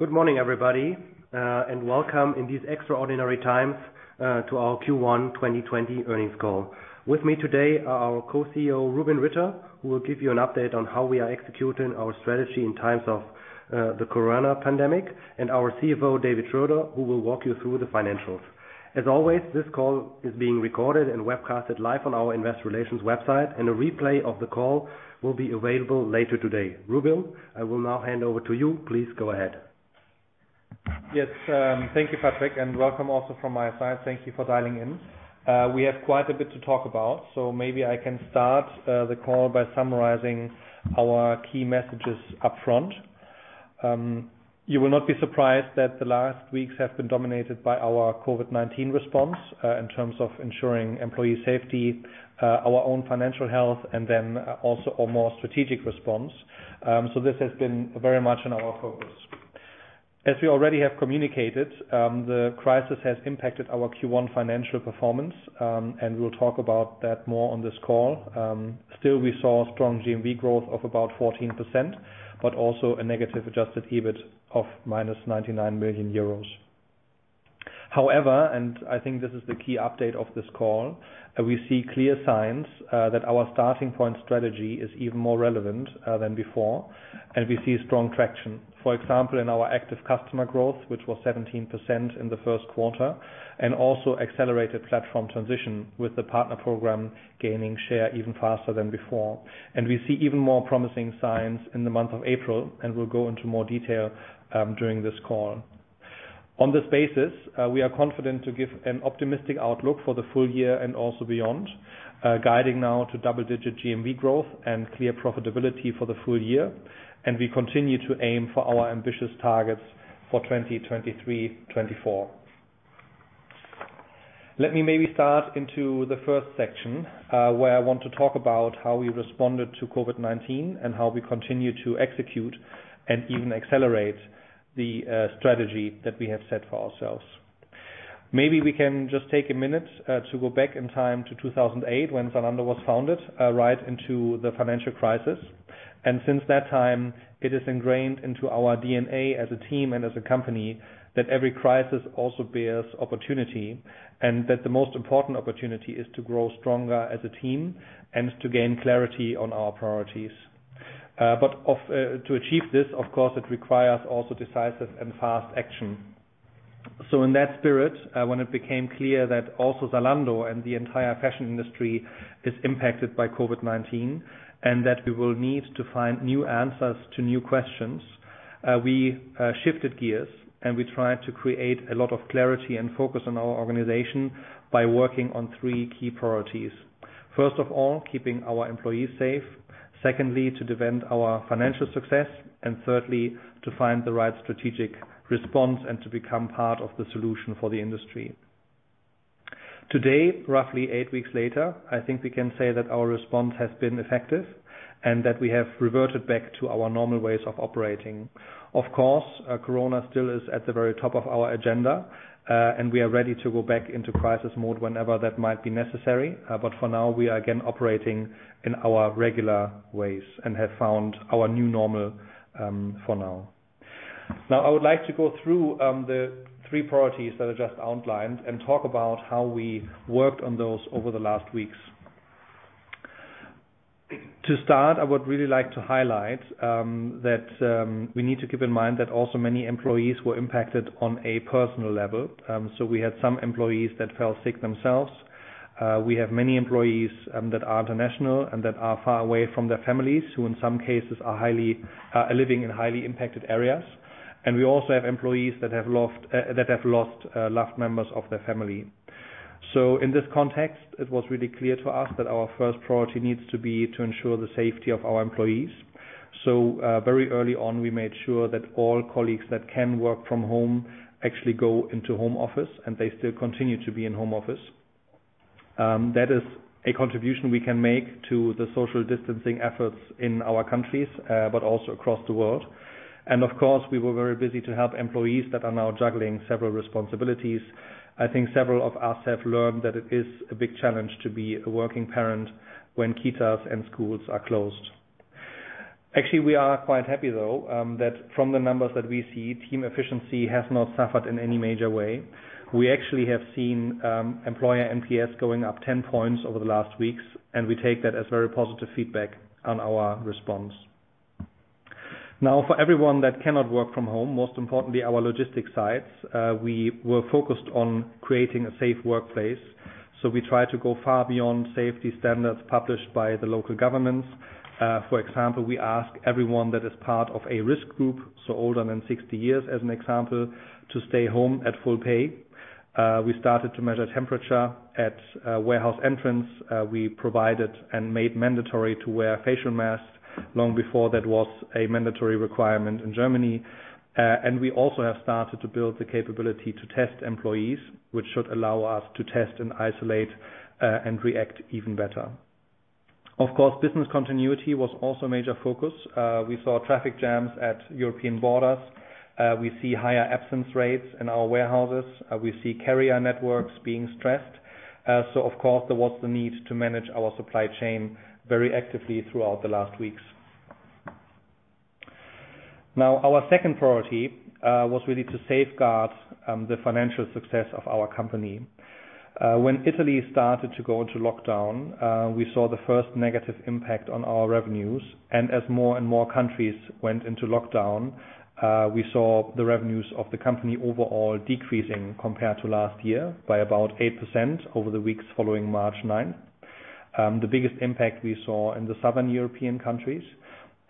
Good morning everybody, and welcome in these extraordinary times to our Q1 2020 earnings call. With me today are our co-CEO, Rubin Ritter, who will give you an update on how we are executing our strategy in times of the corona pandemic, and our CFO, David Schröder, who will walk you through the financials. As always, this call is being recorded and webcast live on our investor relations website, and a replay of the call will be available later today. Rubin, I will now hand over to you. Please go ahead. Yes. Thank you, Patrick, and welcome also from my side. Thank you for dialing in. We have quite a bit to talk about, so maybe I can start the call by summarizing our key messages upfront. You will not be surprised that the last weeks have been dominated by our COVID-19 response in terms of ensuring employee safety, our own financial health, and then also a more strategic response. This has been very much in our focus. As we already have communicated, the crisis has impacted our Q1 financial performance, and we'll talk about that more on this call. Still, we saw strong GMV growth of about 14%, but also a negative adjusted EBIT of minus 99 million euros. I think this is the key update of this call, we see clear signs that our Starting Point strategy is even more relevant than before, and we see strong traction. For example, in our active customer growth, which was 17% in the first quarter, and also accelerated platform transition with the Partner Program gaining share even faster than before. We see even more promising signs in the month of April, and we'll go into more detail during this call. On this basis, we are confident to give an optimistic outlook for the full year and also beyond, guiding now to double-digit GMV growth and clear profitability for the full year, and we continue to aim for our ambitious targets for 2023, 2024. Let me maybe start into the first section, where I want to talk about how we responded to COVID-19 and how we continue to execute and even accelerate the strategy that we have set for ourselves. Maybe we can just take a minute to go back in time to 2008 when Zalando was founded right into the financial crisis. Since that time, it is ingrained into our DNA as a team and as a company that every crisis also bears opportunity, and that the most important opportunity is to grow stronger as a team and to gain clarity on our priorities. To achieve this, of course, it requires also decisive and fast action. In that spirit, when it became clear that also Zalando and the entire fashion industry is impacted by COVID-19 and that we will need to find new answers to new questions, we shifted gears and we tried to create a lot of clarity and focus on our organization by working on three key priorities. First of all, keeping our employees safe. Secondly, to defend our financial success. Thirdly, to find the right strategic response and to become part of the solution for the industry. Today, roughly eight weeks later, I think we can say that our response has been effective and that we have reverted back to our normal ways of operating. Of course, corona still is at the very top of our agenda, and we are ready to go back into crisis mode whenever that might be necessary. For now, we are again operating in our regular ways and have found our new normal for now. I would like to go through the three priorities that I just outlined and talk about how we worked on those over the last weeks. To start, I would really like to highlight that we need to keep in mind that also many employees were impacted on a personal level. We had some employees that fell sick themselves. We have many employees that are international and that are far away from their families, who in some cases are living in highly impacted areas. We also have employees that have lost loved members of their family. In this context, it was really clear to us that our first priority needs to be to ensure the safety of our employees. Very early on, we made sure that all colleagues that can work from home actually go into home office, and they still continue to be in home office. That is a contribution we can make to the social distancing efforts in our countries, but also across the world. Of course, we were very busy to help employees that are now juggling several responsibilities. I think several of us have learned that it is a big challenge to be a working parent are closed. Actually, we are quite happy though, that from the numbers that we see, team efficiency has not suffered in any major way. We actually have seen employer NPS going up 10 points over the last weeks, and we take that as very positive feedback on our response. Now, for everyone that cannot work from home, most importantly, our logistics sites, we were focused on creating a safe workplace. We try to go far beyond safety standards published by the local governments. For example, we ask everyone that is part of a risk group, older than 60 years as an example, to stay home at full pay. We started to measure temperature at warehouse entrance. We provided and made mandatory to wear facial masks long before that was a mandatory requirement in Germany. We also have started to build the capability to test employees, which should allow us to test and isolate and react even better. Of course, business continuity was also a major focus. We saw traffic jams at European borders. We see higher absence rates in our warehouses. We see carrier networks being stressed. Of course, there was the need to manage our supply chain very actively throughout the last weeks. Our second priority was really to safeguard the financial success of our company. When Italy started to go into lockdown, we saw the first negative impact on our revenues. As more and more countries went into lockdown, we saw the revenues of the company overall decreasing compared to last year by about 8% over the weeks following March 9th. The biggest impact we saw in the southern European countries.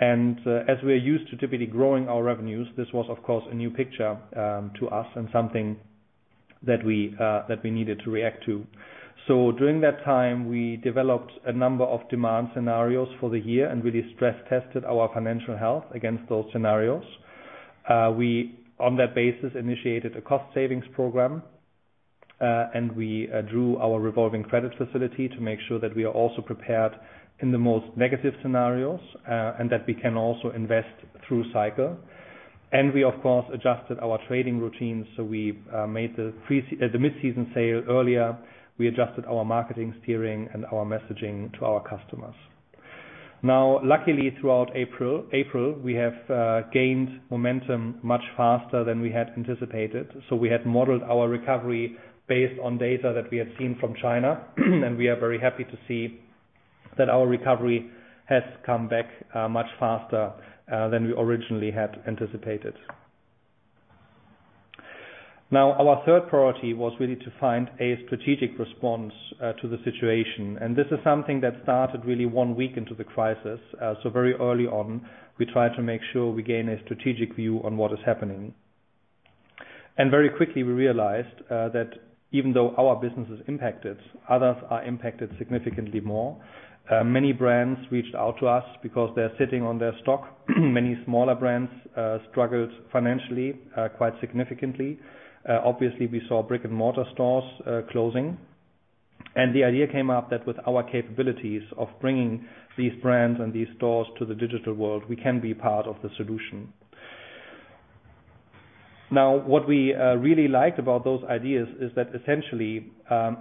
As we are used to typically growing our revenues, this was, of course, a new picture to us and something that we needed to react to. During that time, we developed a number of demand scenarios for the year and really stress tested our financial health against those scenarios. We, on that basis, initiated a cost savings program. We drew our revolving credit facility to make sure that we are also prepared in the most negative scenarios, and that we can also invest through cycle. We, of course, adjusted our trading routines. We made the mid-season sale earlier. We adjusted our marketing steering and our messaging to our customers. Luckily, throughout April, we have gained momentum much faster than we had anticipated. We had modeled our recovery based on data that we had seen from China, and we are very happy to see that our recovery has come back much faster than we originally had anticipated. Our third priority was really to find a strategic response to the situation. This is something that started really one week into the crisis. Very early on, we tried to make sure we gain a strategic view on what is happening. Very quickly we realized that even though our business is impacted, others are impacted significantly more. Many brands reached out to us because they're sitting on their stock. Many smaller brands struggled financially, quite significantly. Obviously, we saw brick-and-mortar stores closing. The idea came up that with our capabilities of bringing these brands and these stores to the digital world, we can be part of the solution. What we really liked about those ideas is that essentially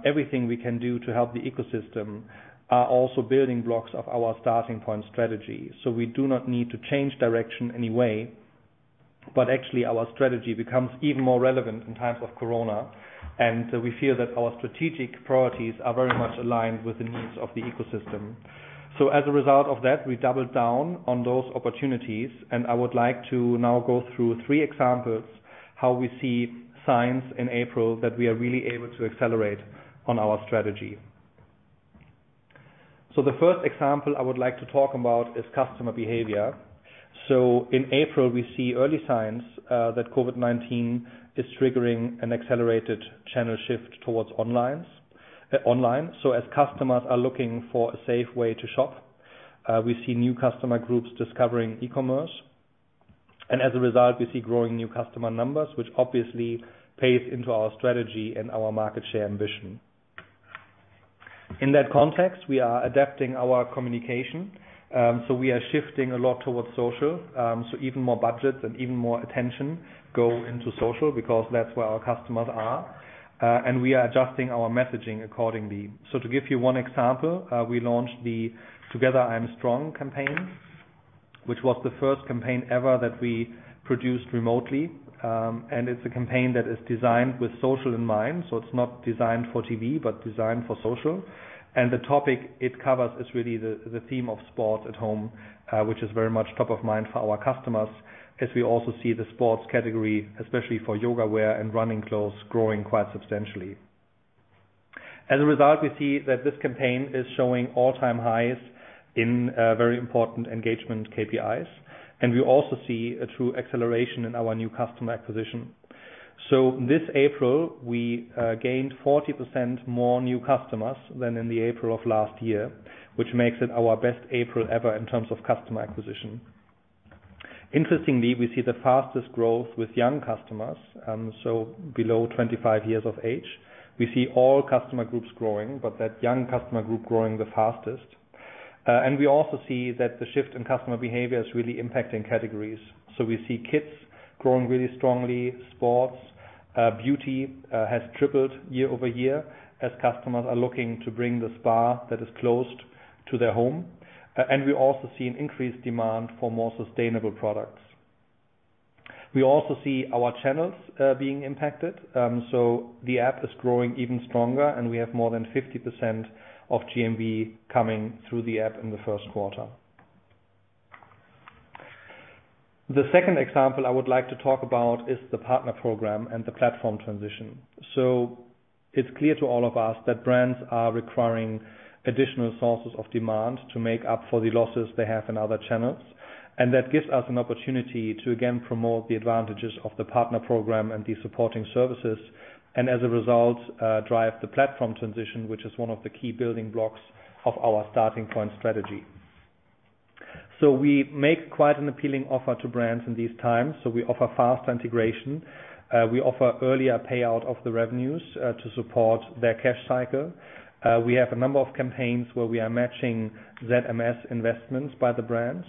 everything we can do to help the ecosystem are also building blocks of our Starting Point strategy. We do not need to change direction in any way, but actually our strategy becomes even more relevant in times of corona. We feel that our strategic priorities are very much aligned with the needs of the ecosystem. As a result of that, we doubled down on those opportunities, and I would like to now go through three examples how we see signs in April that we are really able to accelerate on our strategy. The first example I would like to talk about is customer behavior. In April, we see early signs that COVID-19 is triggering an accelerated channel shift towards online. As customers are looking for a safe way to shop, we see new customer groups discovering e-commerce. As a result, we see growing new customer numbers, which obviously pays into our strategy and our market share ambition. In that context, we are adapting our communication. We are shifting a lot towards social. Even more budgets and even more attention go into social because that's where our customers are. We are adjusting our messaging accordingly. To give you one example, we launched the "Together I Am Strong campaign", which was the first campaign ever that we produced remotely. It's a campaign that is designed with social in mind. It's not designed for TV, but designed for social. The topic it covers is really the theme of sport at home, which is very much top of mind for our customers as we also see the sports category, especially for yoga wear and running clothes, growing quite substantially. As a result, we see that this campaign is showing all-time highs in very important engagement KPIs. We also see a true acceleration in our new customer acquisition. This April, we gained 40% more new customers than in the April of last year, which makes it our best April ever in terms of customer acquisition. Interestingly, we see the fastest growth with young customers. Below 25 years of age. We see all customer groups growing, but that young customer group growing the fastest. We also see that the shift in customer behavior is really impacting categories. We see kids growing really strongly, sports. Beauty has tripled year-over-year as customers are looking to bring the spa that is closed to their home. We also see an increased demand for more sustainable products. We also see our channels being impacted. The app is growing even stronger, and we have more than 50% of GMV coming through the app in the first quarter. The second example I would like to talk about is the Partner Program and the platform transition. It's clear to all of us that brands are requiring additional sources of demand to make up for the losses they have in other channels. That gives us an opportunity to again promote the advantages of the Partner Program and the supporting services, and as a result, drive the platform transition, which is one of the key building blocks of our Starting Point strategy. We make quite an appealing offer to brands in these times. We offer fast integration. We offer earlier payout of the revenues to support their cash cycle. We have a number of campaigns where we are matching ZMS investments by the brands.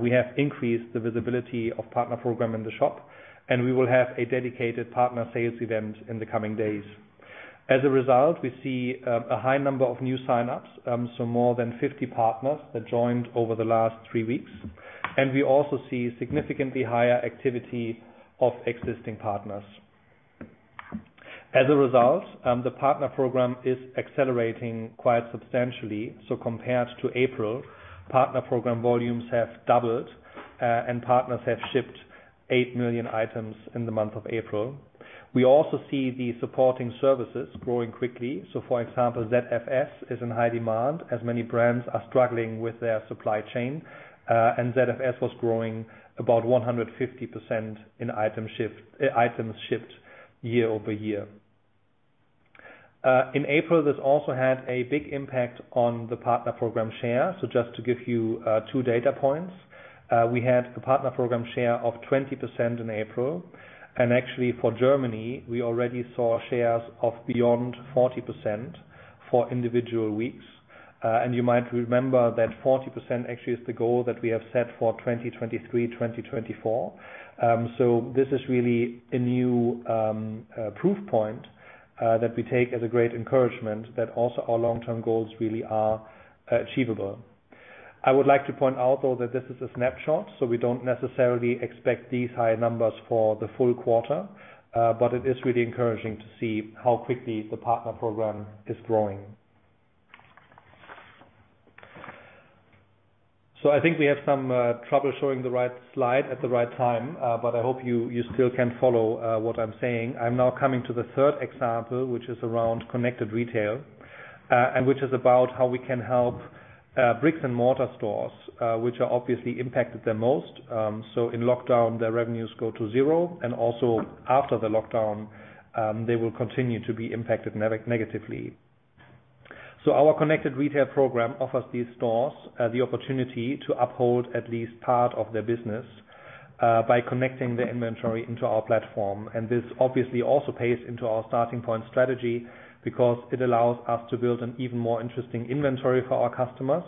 We have increased the visibility of Partner Program in the shop, and we will have a dedicated partner sales event in the coming days. As a result, we see a high number of new signups. More than 50 partners that joined over the last three weeks. We also see significantly higher activity of existing partners. As a result, the Partner Program is accelerating quite substantially. Compared to April, Partner Program volumes have doubled, and partners have shipped eight million items in the month of April. We also see the supporting services growing quickly. For example, ZFS is in high demand as many brands are struggling with their supply chain. ZFS was growing about 150% in items shipped year-over-year. In April, this also had a big impact on the Partner Program share. Just to give you two data points. We had a Partner Program share of 20% in April, and actually for Germany, we already saw shares of beyond 40% for individual weeks. You might remember that 40% actually is the goal that we have set for 2023, 2024. This is really a new proof point that we take as a great encouragement that also our long-term goals really are achievable. I would like to point out, though, that this is a snapshot. We don't necessarily expect these high numbers for the full quarter. It is really encouraging to see how quickly the Partner Program is growing. I think we have some trouble showing the right slide at the right time. I hope you still can follow what I'm saying. I'm now coming to the third example, which is around Connected Retail, and which is about how we can help brick-and-mortar stores, which are obviously impacted the most. In lockdown, their revenues go to zero, and also after the lockdown, they will continue to be impacted negatively. Our Connected Retail program offers these stores the opportunity to uphold at least part of their business by connecting their inventory into our platform. This obviously also pays into our Starting Point strategy because it allows us to build an even more interesting inventory for our customers.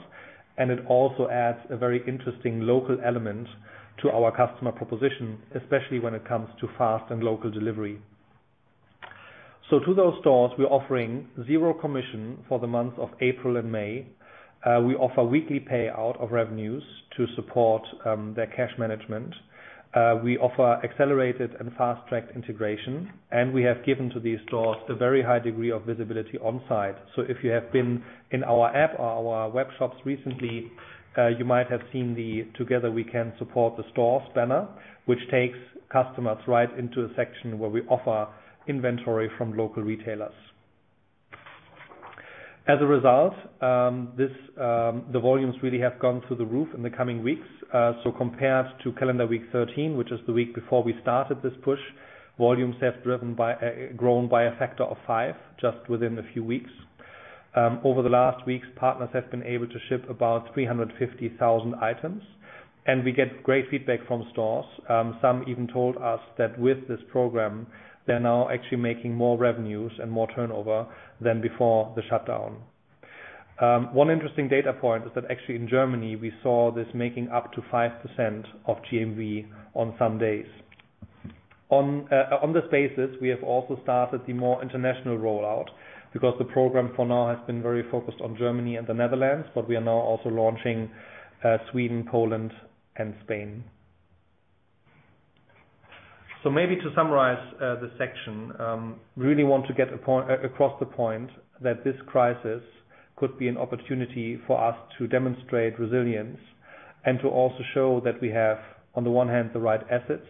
It also adds a very interesting local element to our customer proposition, especially when it comes to fast and local delivery. To those stores, we're offering zero commission for the months of April and May. We offer weekly payout of revenues to support their cash management. We offer accelerated and fast-tracked integration, and we have given to these stores a very high degree of visibility on site. If you have been in our app or our webshops recently, you might have seen the Together We Can support the stores banner, which takes customers right into a section where we offer inventory from local retailers. As a result, the volumes really have gone through the roof in the coming weeks. Compared to calendar week 13, which is the week before we started this push, volumes have grown by a factor of five just within a few weeks. Over the last weeks, partners have been able to ship about 350,000 items, and we get great feedback from stores. Some even told us that with this program, they're now actually making more revenues and more turnover than before the shutdown. One interesting data point is that actually in Germany, we saw this making up to 5% of GMV on some days. On this basis, we have also started the more international rollout because the program for now has been very focused on Germany and the Netherlands, but we are now also launching Sweden, Poland, and Spain. Maybe to summarize this section, we really want to get across the point that this crisis could be an opportunity for us to demonstrate resilience and to also show that we have, on the one hand, the right assets.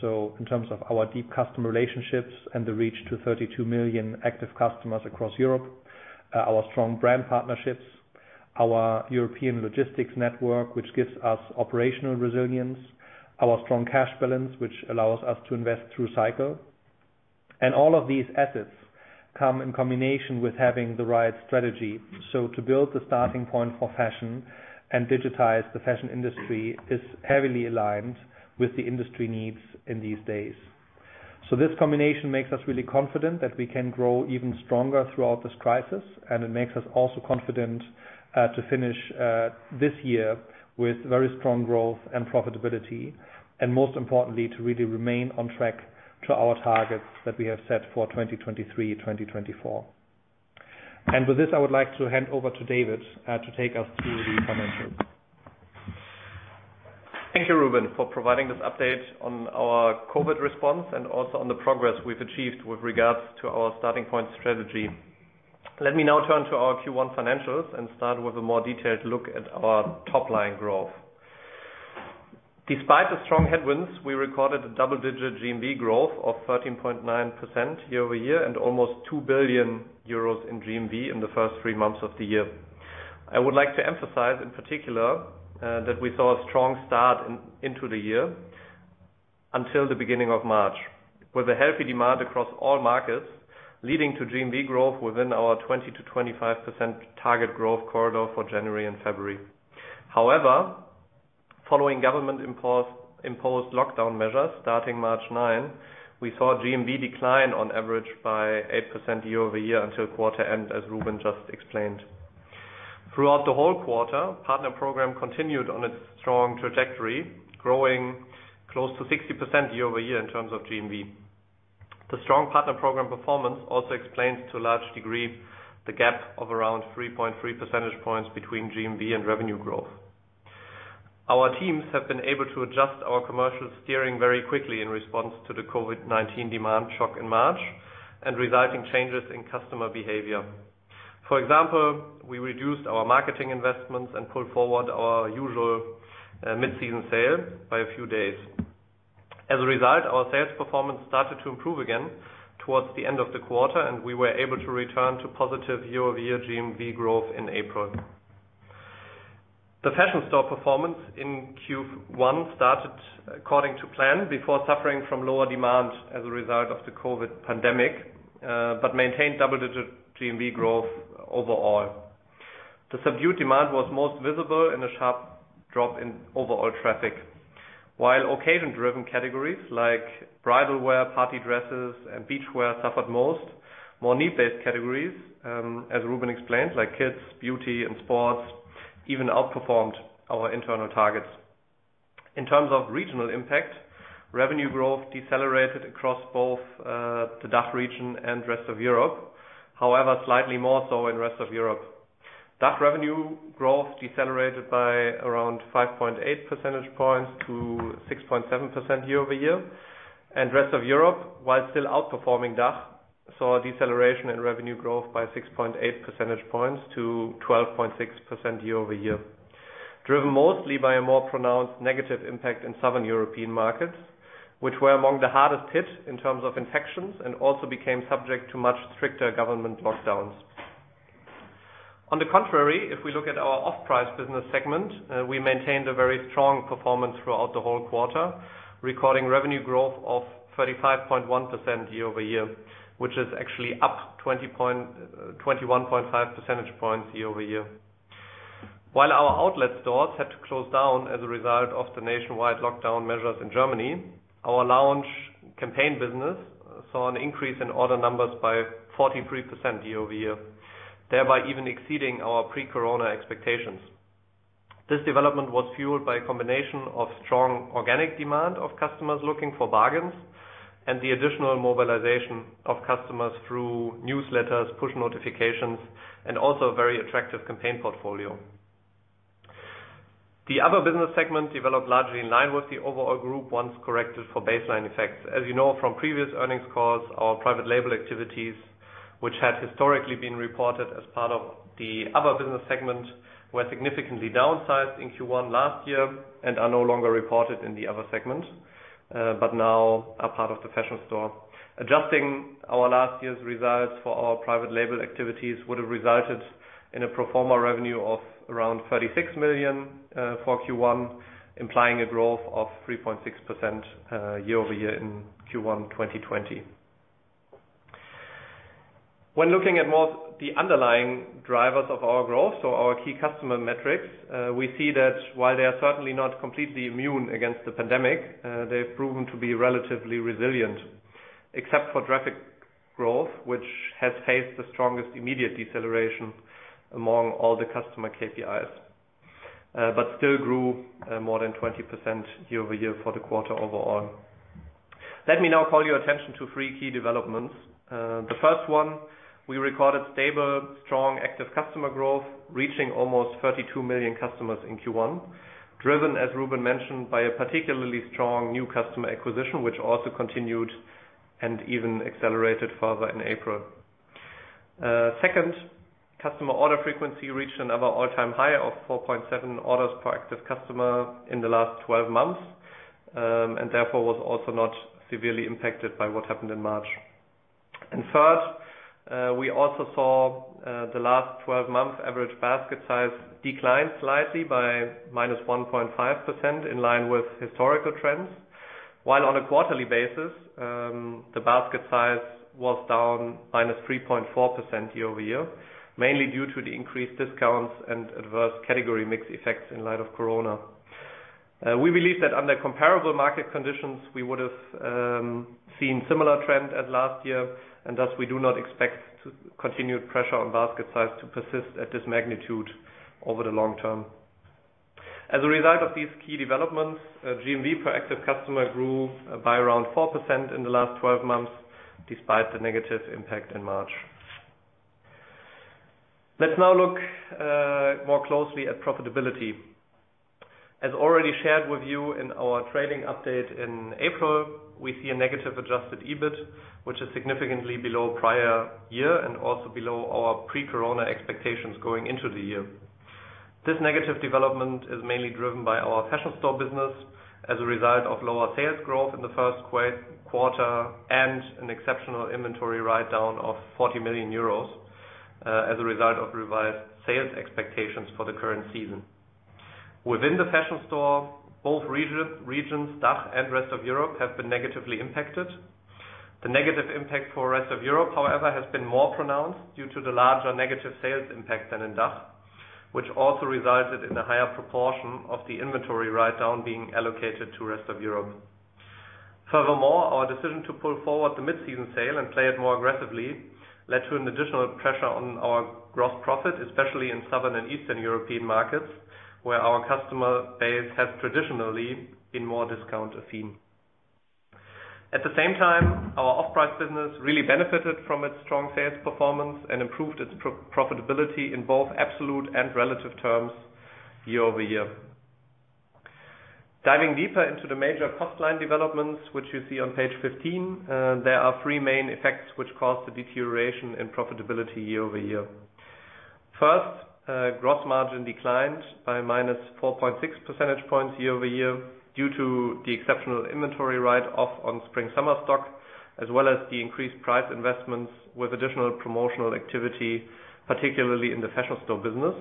In terms of our deep customer relationships and the reach to 32 million active customers across Europe, our strong brand partnerships, our European logistics network, which gives us operational resilience, our strong cash balance, which allows us to invest through cycle. All of these assets come in combination with having the right strategy. To build the Starting Point and digitize the fashion industry is heavily aligned with the industry needs in these days. This combination makes us really confident that we can grow even stronger throughout this crisis, and it makes us also confident to finish this year with very strong growth and profitability, and most importantly, to really remain on track to our targets that we have set for 2023, 2024. With this, I would like to hand over to David to take us to the financials. Thank you, Rubin, for providing this update on our COVID response and also on the progress we've achieved with regards to our Starting Point strategy. Let me now turn to our Q1 financials and start with a more detailed look at our top line growth. Despite the strong headwinds, we recorded a double-digit GMV growth of 13.9% year-over-year and almost 2 billion euros in GMV in the first three months of the year. I would like to emphasize in particular, that we saw a strong start into the year until the beginning of March, with a healthy demand across all markets, leading to GMV growth within our 20%-25% target growth corridor for January and February. However, following government-imposed lockdown measures starting March 9, we saw GMV decline on average by 8% year-over-year until quarter end, as Rubin just explained. Throughout the whole quarter, Partner Program continued on its strong trajectory, growing close to 60% year-over-year in terms of GMV. The strong Partner Program performance also explains to a large degree the gap of around 3.3 percentage points between GMV and revenue growth. Our teams have been able to adjust our commercial steering very quickly in response to the COVID-19 demand shock in March and resulting changes in customer behavior. For example, we reduced our marketing investments and pulled forward our usual mid-season sale by a few days. As a result, our sales performance started to improve again towards the end of the quarter, and we were able to return to positive year-over-year GMV growth in April. The fashion store performance in Q1 started according to plan, before suffering from lower demand as a result of the COVID-19 pandemic, but maintained double-digit GMV growth overall. The subdued demand was most visible in a sharp drop in overall traffic. While occasion-driven categories like bridal wear, party dresses, and beachwear suffered most, more need-based categories, as Rubin explained, like kids, beauty, and sports, even outperformed our internal targets. In terms of regional impact, revenue growth decelerated across both the DACH region and rest of Europe, however, slightly more so in rest of Europe. DACH revenue growth decelerated by around 5.8 percentage points to 6.7% year-over-year. Rest of Europe, while still outperforming DACH, saw a deceleration in revenue growth by 6.8 percentage points to 12.6% year-over-year, driven mostly by a more pronounced negative impact in Southern European markets, which were among the hardest hit in terms of infections and also became subject to much stricter government lockdowns. On the contrary, if we look at our off-price business segment, we maintained a very strong performance throughout the whole quarter, recording revenue growth of 35.1% year-over-year, which is actually up 21.5 percentage points year-over-year. While our outlet stores had to close down as a result of the nationwide lockdown measures in Germany, our Lounge campaign business saw an increase in order numbers by 43% year-over-year, thereby even exceeding our pre-corona expectations. This development was fueled by a combination of strong organic demand of customers looking for bargains and the additional mobilization of customers through newsletters, push notifications, and also a very attractive campaign portfolio. The other business segment developed largely in line with the overall group once corrected for baseline effects. As you know from previous earnings calls, our private label activities, which had historically been reported as part of the other business segment, were significantly downsized in Q1 last year and are no longer reported in the other segment, but now are part of the fashion store. Adjusting our last year's results for our private label activities would have resulted in a pro forma revenue of around 36 million for Q1, implying a growth of 3.6% year-over-year in Q1 2020. When looking at the underlying drivers of our growth or our key customer metrics, we see that while they are certainly not completely immune against the pandemic, they've proven to be relatively resilient. Except for traffic growth, which has faced the strongest immediate deceleration among all the customer KPIs, but still grew more than 20% year-over-year for the quarter overall. Let me now call your attention to three key developments. The first one, we recorded stable, strong, active customer growth reaching almost 32 million customers in Q1, driven, as Rubin mentioned, by a particularly strong new customer acquisition, which also continued and even accelerated further in April. Second, customer order frequency reached another all-time high of 4.7 orders per active customer in the last 12 months, and therefore was also not severely impacted by what happened in March. Third, we also saw the last 12-month average basket size decline slightly by -1.5%, in line with historical trends, while on a quarterly basis, the basket size was down -3.4% year-over-year, mainly due to the increased discounts and adverse category mix effects in light of COVID-19. We believe that under comparable market conditions, we would have seen similar trends as last year, and thus we do not expect continued pressure on basket size to persist at this magnitude over the long term. As a result of these key developments, GMV per active customer grew by around 4% in the last 12 months, despite the negative impact in March. Let's now look more closely at profitability. As already shared with you in our trading update in April, we see a negative adjusted EBIT, which is significantly below prior year and also below our pre-COVID-19 expectations going into the year. This negative development is mainly driven by our fashion store business as a result of lower sales growth in the first quarter and an exceptional inventory write-down of 40 million euros as a result of revised sales expectations for the current season. Within the fashion store, both regions, DACH and rest of Europe, have been negatively impacted. The negative impact for rest of Europe, however, has been more pronounced due to the larger negative sales impact than in DACH, which also resulted in a higher proportion of the inventory write-down being allocated to rest of Europe. Furthermore, our decision to pull forward the mid-season sale and play it more aggressively led to an additional pressure on our gross profit, especially in Southern and Eastern European markets, where our customer base has traditionally been more discount-affined. At the same time, our off-price business really benefited from its strong sales performance and improved its profitability in both absolute and relative terms year-over-year. Diving deeper into the major cost line developments, which you see on page 15, there are three main effects which caused the deterioration in profitability year-over-year. First, gross margin declined by -4.6 percentage points year-over-year due to the exceptional inventory write-off on spring/summer stock, as well as the increased price investments with additional promotional activity, particularly in the fashion store business,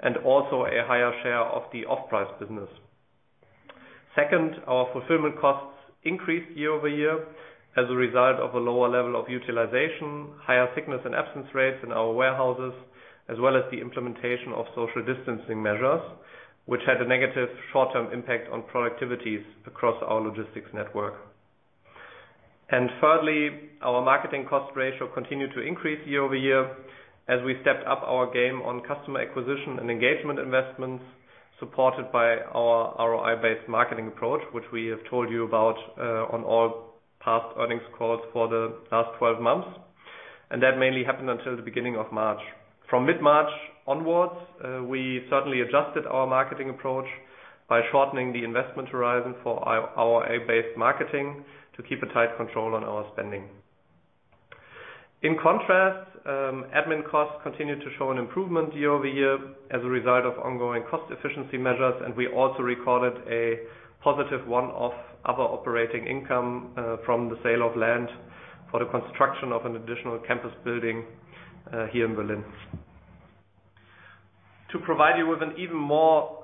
and also a higher share of the off-price business. Second, our fulfillment costs increased year-over-year as a result of a lower level of utilization, higher sickness and absence rates in our warehouses, as well as the implementation of social distancing measures, which had a negative short-term impact on productivities across our logistics network. Thirdly, our marketing cost ratio continued to increase year-over-year as we stepped up our game on customer acquisition and engagement investments supported by our ROI-based marketing approach, which we have told you about on all past earnings calls for the last 12 months. That mainly happened until the beginning of March. From mid-March onwards, we certainly adjusted our marketing approach by shortening the investment horizon for our ROI-based marketing to keep a tight control on our spending. In contrast, admin costs continued to show an improvement year-over-year as a result of ongoing cost efficiency measures, and we also recorded a positive one-off other operating income from the sale of land for the construction of an additional campus building here in Berlin. To provide you with an even more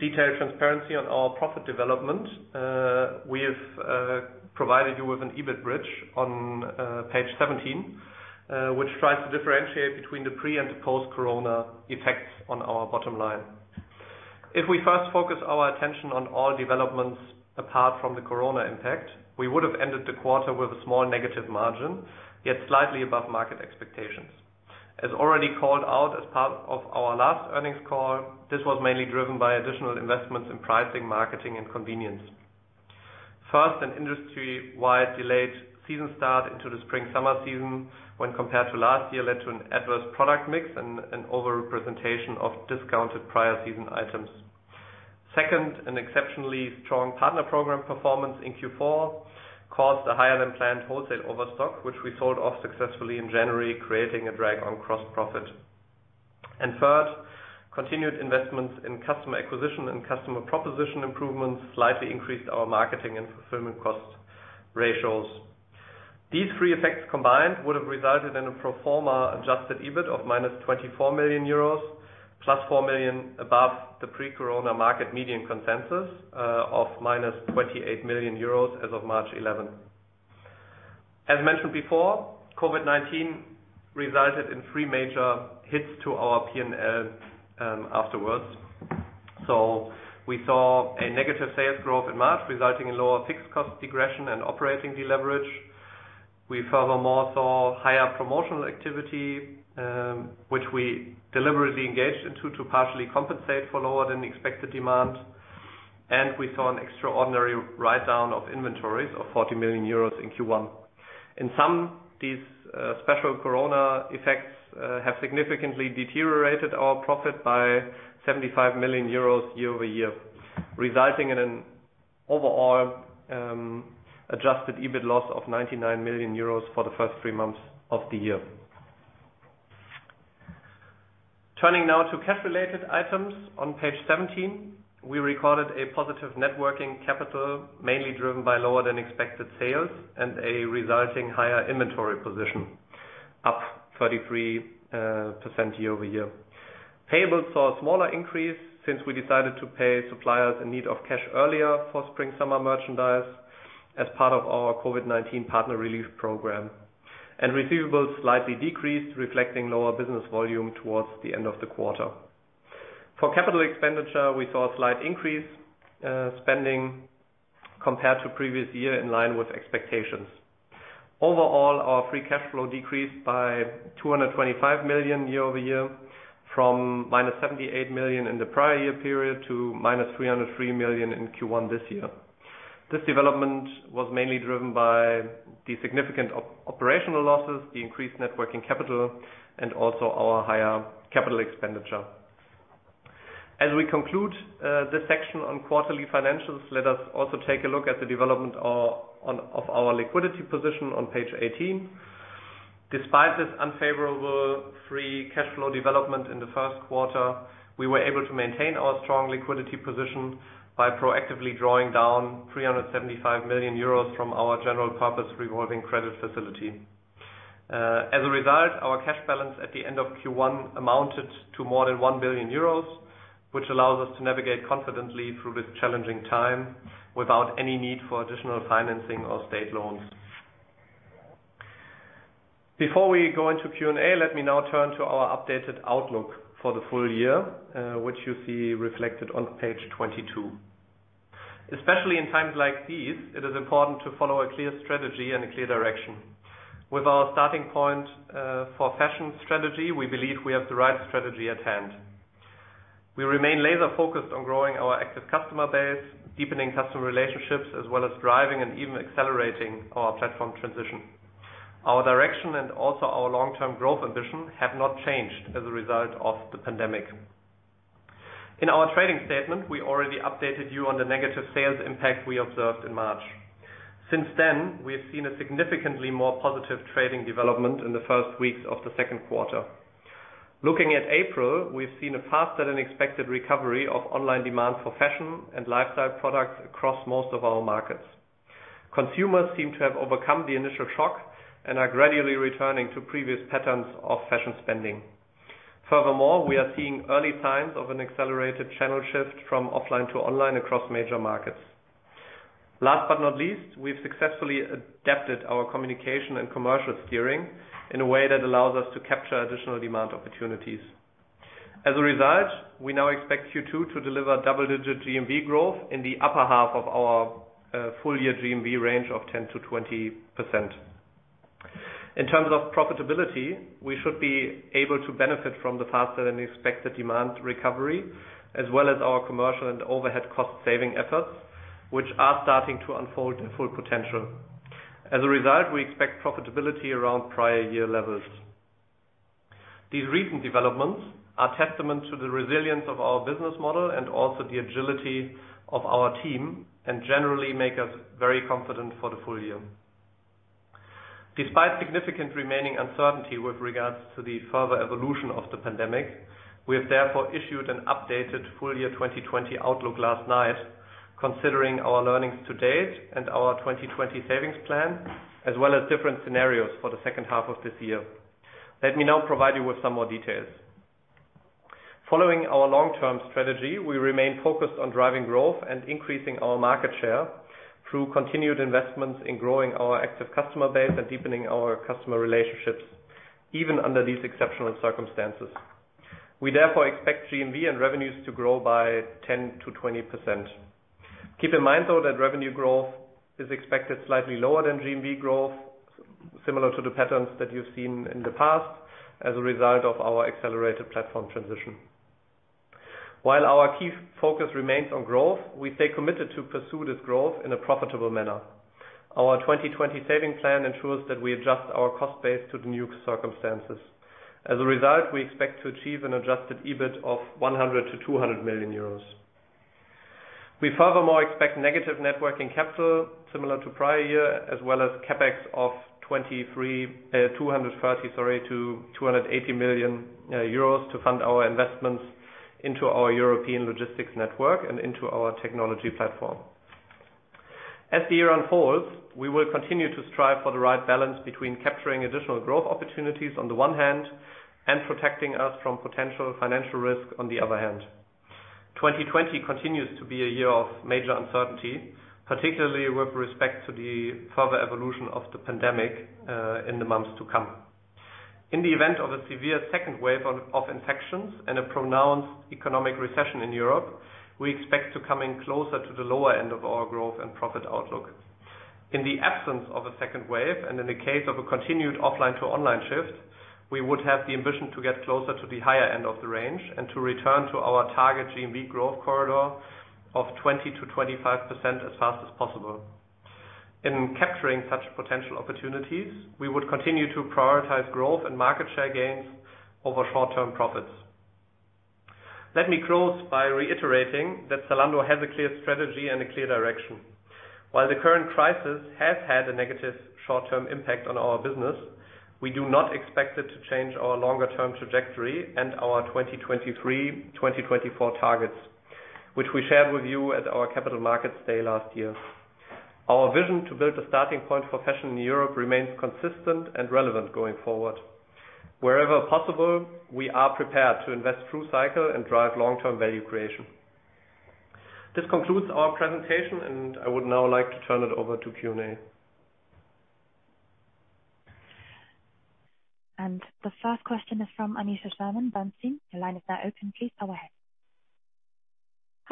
detailed transparency on our profit development, we have provided you with an EBIT bridge on page 17, which tries to differentiate between the pre- and post-COVID-19 effects on our bottom line. If we first focus our attention on all developments apart from the COVID-19 impact, we would have ended the quarter with a small negative margin, yet slightly above market expectations. As already called out as part of our last earnings call, this was mainly driven by additional investments in pricing, marketing, and convenience. First, an industry-wide delayed season start into the spring/summer season when compared to last year led to an adverse product mix and an over-representation of discounted prior season items. Second, an exceptionally strong Partner Program performance in Q4 caused a higher-than-planned wholesale overstock, which we sold off successfully in January, creating a drag on gross profit. Third, continued investments in customer acquisition and customer proposition improvements slightly increased our marketing and fulfillment cost ratios. These three effects combined would have resulted in a pro forma adjusted EBIT of -24 million euros, plus 4 million above the pre-corona market median consensus of -28 million euros as of March 11. As mentioned before, COVID-19 resulted in three major hits to our P&L afterwards. We saw a negative sales growth in March, resulting in lower fixed cost degression and operating deleverage. We furthermore saw higher promotional activity, which we deliberately engaged into to partially compensate for lower-than-expected demand. We saw an extraordinary write-down of inventories of 40 million euros in Q1. In sum, these special corona effects have significantly deteriorated our profit by 75 million euros year-over-year, resulting in an overall adjusted EBIT loss of 99 million euros for the first three months of the year. Turning now to cash-related items on page 17. We recorded a positive net working capital, mainly driven by lower-than-expected sales and a resulting higher inventory position, up 33% year-over-year. Payables saw a smaller increase since we decided to pay suppliers in need of cash earlier for spring/summer merchandise as part of our COVID-19 Partner Relief Program. Receivables slightly decreased, reflecting lower business volume towards the end of the quarter. For capital expenditure, we saw a slight increase spending compared to previous year in line with expectations. Overall, our free cash flow decreased by 225 million year-over-year from -78 million in the prior year period to -303 million in Q1 this year. This development was mainly driven by the significant operational losses, the increased net working capital, and also our higher capital expenditure. As we conclude this section on quarterly financials, let us also take a look at the development of our liquidity position on page 18. Despite this unfavorable free cash flow development in the first quarter, we were able to maintain our strong liquidity position by proactively drawing down 375 million euros from our general purpose revolving credit facility. As a result, our cash balance at the end of Q1 amounted to more than 1 billion euros, which allows us to navigate confidently through this challenging time without any need for additional financing or state loans. Before we go into Q&A, let me now turn to our updated outlook for the full year, which you see reflected on page 22. Especially in times like these, it is important to follow a clear strategy and a clear direction. With our Starting Point for fashion strategy, we believe we have the right strategy at hand. We remain laser focused on growing our active customer base, deepening customer relationships, as well as driving and even accelerating our platform transition. Our direction and also our long-term growth ambition have not changed as a result of the pandemic. In our trading statement, we already updated you on the negative sales impact we observed in March. Since then, we have seen a significantly more positive trading development in the first weeks of the second quarter. Looking at April, we've seen a faster than expected recovery of online demand for fashion and lifestyle products across most of our markets. Consumers seem to have overcome the initial shock and are gradually returning to previous patterns of fashion spending. Furthermore, we are seeing early signs of an accelerated channel shift from offline to online across major markets. Last but not least, we've successfully adapted our communication and commercial steering in a way that allows us to capture additional demand opportunities. As a result, we now expect Q2 to deliver double-digit GMV growth in the upper half of our full year GMV range of 10%-20%. In terms of profitability, we should be able to benefit from the faster than expected demand recovery, as well as our commercial and overhead cost-saving efforts, which are starting to unfold in full potential. As a result, we expect profitability around prior year levels. These recent developments are testament to the resilience of our business model and also the agility of our team and generally make us very confident for the full year. Despite significant remaining uncertainty with regards to the further evolution of the pandemic, we have therefore issued an updated full year 2020 outlook last night, considering our learnings to date and our 2020 savings plan, as well as different scenarios for the second half of this year. Let me now provide you with some more details. Following our long-term strategy, we remain focused on driving growth and increasing our market share through continued investments in growing our active customer base and deepening our customer relationships, even under these exceptional circumstances. We therefore expect GMV and revenues to grow by 10%-20%. Keep in mind, though, that revenue growth is expected slightly lower than GMV growth, similar to the patterns that you've seen in the past as a result of our accelerated platform transition. While our key focus remains on growth, we stay committed to pursue this growth in a profitable manner. Our 2020 saving plan ensures that we adjust our cost base to the new circumstances. As a result, we expect to achieve an adjusted EBIT of 100 million-200 million euros. We furthermore expect negative net working capital similar to prior year, as well as CapEx of 280 million euros to fund our investments into our European logistics network and into our technology platform. As the year unfolds, we will continue to strive for the right balance between capturing additional growth opportunities on the one hand and protecting us from potential financial risk on the other hand. 2020 continues to be a year of major uncertainty, particularly with respect to the further evolution of the pandemic in the months to come. In the event of a severe second wave of infections and a pronounced economic recession in Europe, we expect to come in closer to the lower end of our growth and profit outlook. In the absence of a second wave, and in the case of a continued offline to online shift, we would have the ambition to get closer to the higher end of the range and to return to our target GMV growth corridor of 20%-25% as fast as possible. In capturing such potential opportunities, we would continue to prioritize growth and market share gains over short-term profits. Let me close by reiterating that Zalando has a clear strategy and a clear direction. While the current crisis has had a negative short-term impact on our business, we do not expect it to change our longer-term trajectory and our 2023, 2024 targets, which we shared with you at our Capital Markets Day last year. Our vision to build a Starting Point for fashion in Europe remains consistent and relevant going forward. Wherever possible, we are prepared to invest through cycle and drive long-term value creation. This concludes our presentation, and I would now like to turn it over to Q&A. The first question is from Aneesha Sherman, Bernstein. Your line is now open. Please go ahead.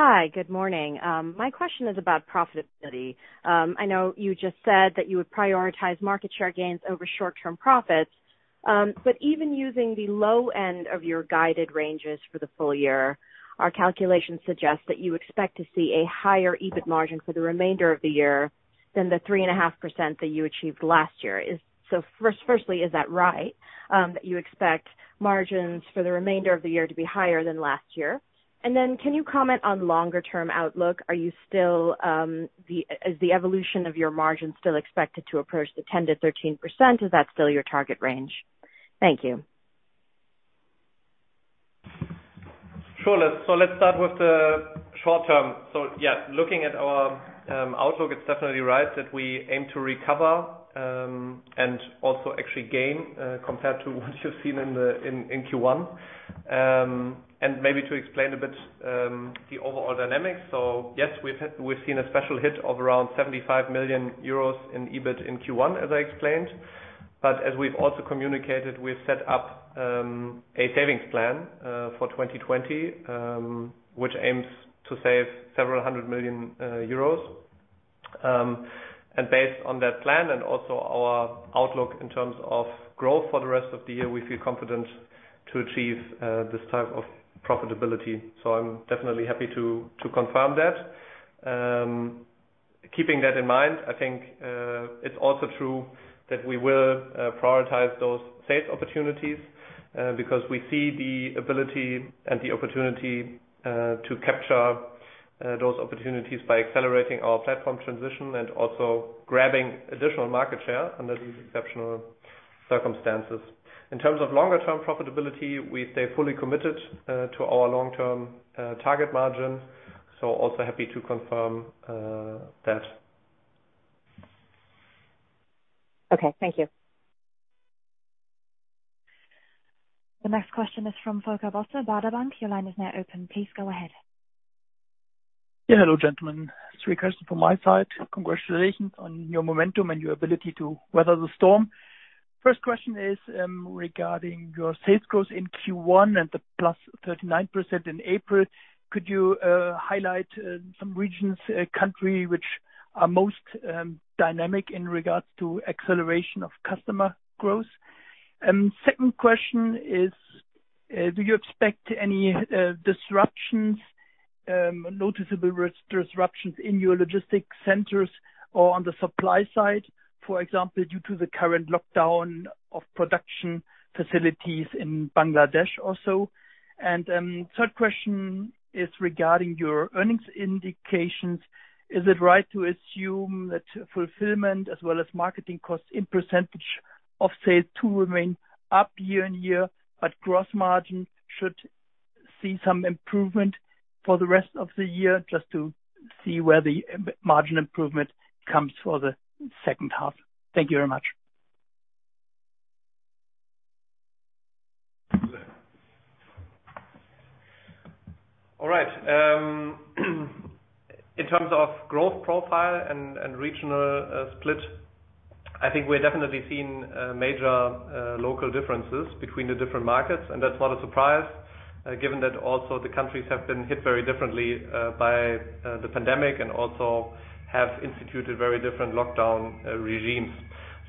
Hi. Good morning. My question is about profitability. I know you just said that you would prioritize market share gains over short-term profits, even using the low end of your guided ranges for the full year, our calculations suggest that you expect to see a higher EBIT margin for the remainder of the year than the 3.5% that you achieved last year. Firstly, is that right, that you expect margins for the remainder of the year to be higher than last year? Then can you comment on longer term outlook? Is the evolution of your margin still expected to approach the 10%-13%? Is that still your target range? Thank you. Sure. Let's start with the short term. Yeah, looking at our outlook, it's definitely right that we aim to recover, and also actually gain, compared to what you've seen in Q1. Maybe to explain a bit the overall dynamics. Yes, we've seen a special hit of around 75 million euros in EBIT in Q1, as I explained. As we've also communicated, we've set up a savings plan for 2020, which aims to save several hundred million EUR. Based on that plan and also our outlook in terms of growth for the rest of the year, we feel confident to achieve this type of profitability. I'm definitely happy to confirm that. Keeping that in mind, I think, it's also true that we will prioritize those sales opportunities, because we see the ability and the opportunity to capture those opportunities by accelerating our platform transition and also grabbing additional market share under these exceptional circumstances. In terms of longer term profitability, we stay fully committed to our long-term target margin. Also happy to confirm that. Okay, thank you. The next question is from Volker Bosse, Baader Bank. Your line is now open. Please go ahead. Hello, gentlemen. Three questions from my side. Congratulations on your momentum and your ability to weather the storm. First question is regarding your sales growth in Q1 and the plus 39% in April. Could you highlight some regions, country which are most dynamic in regards to acceleration of customer growth? Second question is, do you expect any noticeable disruptions in your logistics centers or on the supply side, for example, due to the current lockdown of production facilities in Bangladesh also? Third question is regarding your earnings indications. Is it right to assume that fulfillment as well as marketing costs in percentage of sales too remain up year-over-year, but gross margin should see some improvement for the rest of the year, just to see where the margin improvement comes for the second half? Thank you very much. All right. In terms of growth profile and regional split, I think we're definitely seeing major local differences between the different markets, and that's not a surprise given that also the countries have been hit very differently by the pandemic and also have instituted very different lockdown regimes.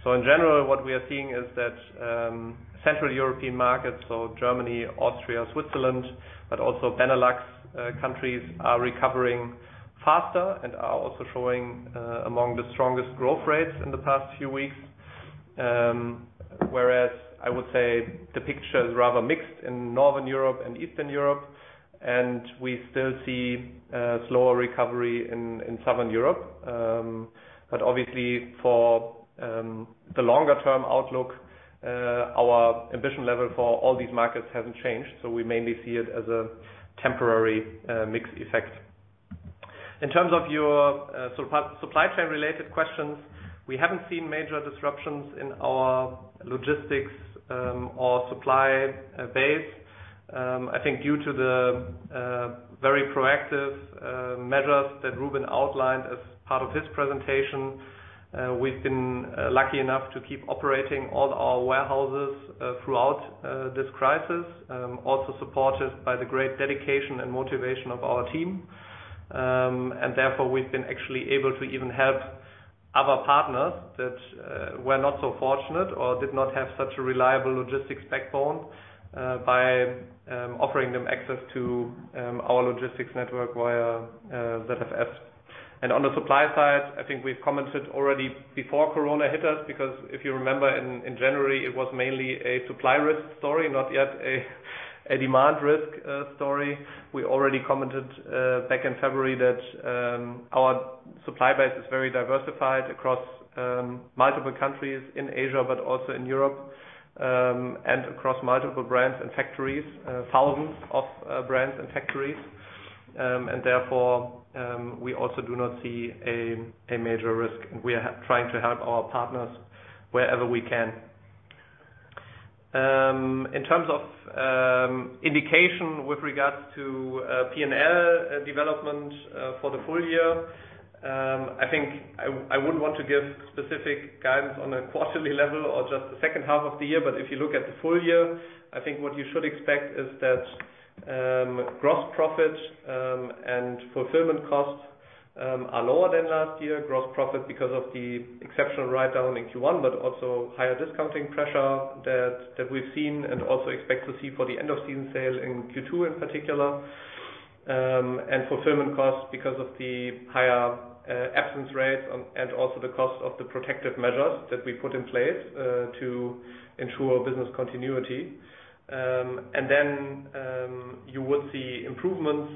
In general, what we are seeing is that Central European markets, so Germany, Austria, Switzerland, but also Benelux countries, are recovering faster and are also showing among the strongest growth rates in the past few weeks. I would say the picture is rather mixed in Northern Europe and Eastern Europe, and we still see slower recovery in Southern Europe. Obviously for the longer term outlook, our ambition level for all these markets hasn't changed. We mainly see it as a temporary mixed effect. In terms of your supply chain related questions, we haven't seen major disruptions in our logistics or supply base. I think due to the very proactive measures that Rubin outlined as part of his presentation, we've been lucky enough to keep operating all our warehouses throughout this crisis, also supported by the great dedication and motivation of our team. Therefore, we've been actually able to even help other partners that were not so fortunate or did not have such a reliable logistics backbone, by offering them access to our logistics network via ZFS. On the supply side, I think we've commented already before Corona hit us, because if you remember in January, it was mainly a supply risk story, not yet a demand risk story. We already commented back in February that our supply base is very diversified across multiple countries in Asia, but also in Europe, and across multiple brands and factories, thousands of brands and factories. Therefore, we also do not see a major risk, and we are trying to help our partners wherever we can. In terms of indication with regards to P&L development for the full year, I think I wouldn't want to give specific guidance on a quarterly level or just the second half of the year. If you look at the full year, I think what you should expect is that gross profit and fulfillment costs are lower than last year. Gross profit because of the exceptional write-down in Q1, but also higher discounting pressure that we've seen and also expect to see for the end of season sale in Q2 in particular. Fulfillment costs because of the higher absence rates and also the cost of the protective measures that we put in place to ensure business continuity. You would see improvements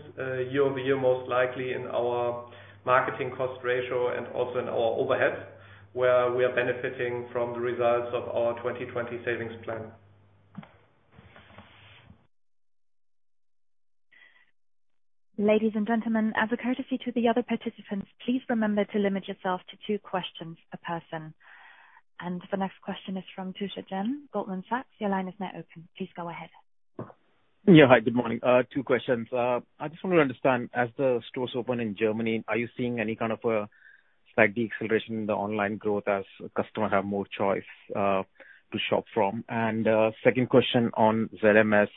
year-over-year, most likely in our marketing cost ratio and also in our overheads, where we are benefiting from the results of our 2020 savings plan. Ladies and gentlemen, as a courtesy to the other participants, please remember to limit yourself to two questions a person. The next question is from Tushar Jain, Goldman Sachs. Your line is now open. Please go ahead. Yeah. Hi, good morning. Two questions. I just want to understand, as the stores open in Germany, are you seeing any kind of a slight deceleration in the online growth as customers have more choice to shop from? Second question on ZMS,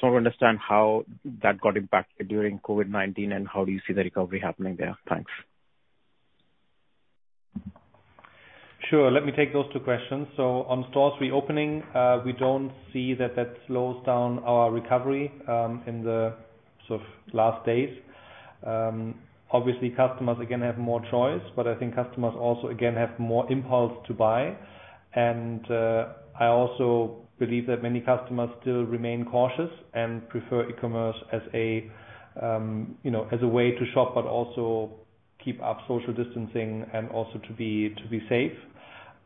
just want to understand how that got impacted during COVID-19 and how do you see the recovery happening there? Thanks. Sure. Let me take those two questions. On stores reopening, we don't see that that slows down our recovery in the last days. Customers, again, have more choice, but I think customers also, again, have more impulse to buy. I also believe that many customers still remain cautious and prefer e-commerce as a way to shop, but also keep up social distancing and also to be safe.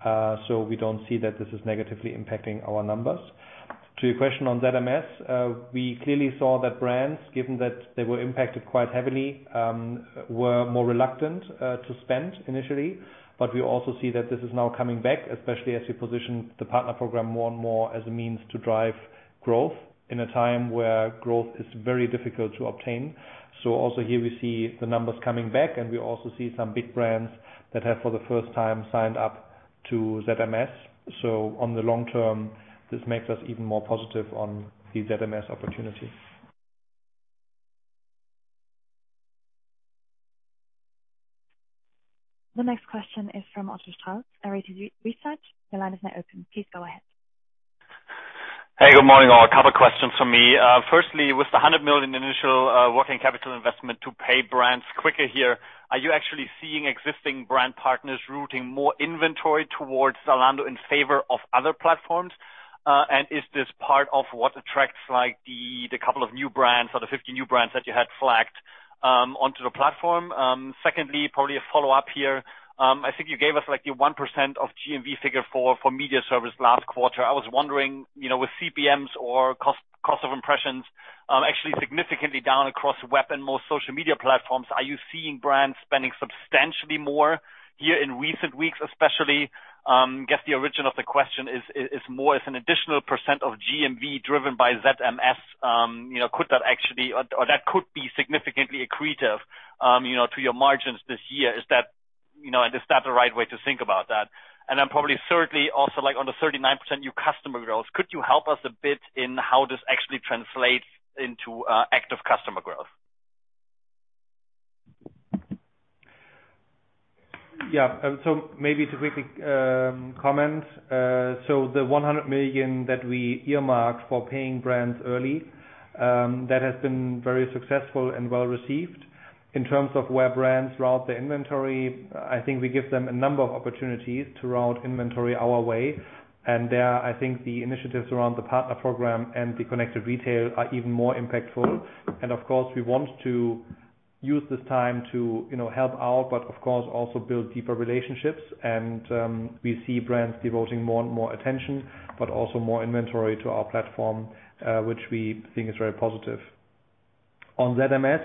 We don't see that this is negatively impacting our numbers. To your question on ZMS, we clearly saw that brands, given that they were impacted quite heavily, were more reluctant to spend initially. We also see that this is now coming back, especially as we position the Partner Program more and more as a means to drive growth in a time where growth is very difficult to obtain. Also here we see the numbers coming back, and we also see some big brands that have, for the first time, signed up to ZMS. On the long term, this makes us even more positive on the ZMS opportunity. The next question is from Otto Schultz, RRR Research. Your line is now open. Please go ahead. Hey, good morning all. A couple questions from me. Firstly, with the 100 million initial working capital investment to pay brands quicker here, are you actually seeing existing brand partners routing more inventory towards Zalando in favor of other platforms? Is this part of what attracts the couple of new brands or the 50 new brands that you had flagged onto the platform? Secondly, probably a follow-up here. I think you gave us your 1% of GMV figure for media service last quarter. I was wondering, with CPMs or cost of impressions actually significantly down across web and most social media platforms, are you seeing brands spending substantially more here in recent weeks especially? Guess the origin of the question is more as an additional % of GMV driven by ZMS, or that could be significantly accretive to your margins this year. Is that the right way to think about that? Then probably thirdly, also on the 39% new customer growth, could you help us a bit in how this actually translates into active customer growth? Maybe to quickly comment. The 100 million that we earmarked for paying brands early, that has been very successful and well-received. In terms of where brands route their inventory, I think we give them a number of opportunities to route inventory our way. There, I think the initiatives around the Partner Program and the Connected Retail are even more impactful. Of course, we want to use this time to help out, but of course, also build deeper relationships. We see brands devoting more and more attention, but also more inventory to our platform, which we think is very positive. On ZMS,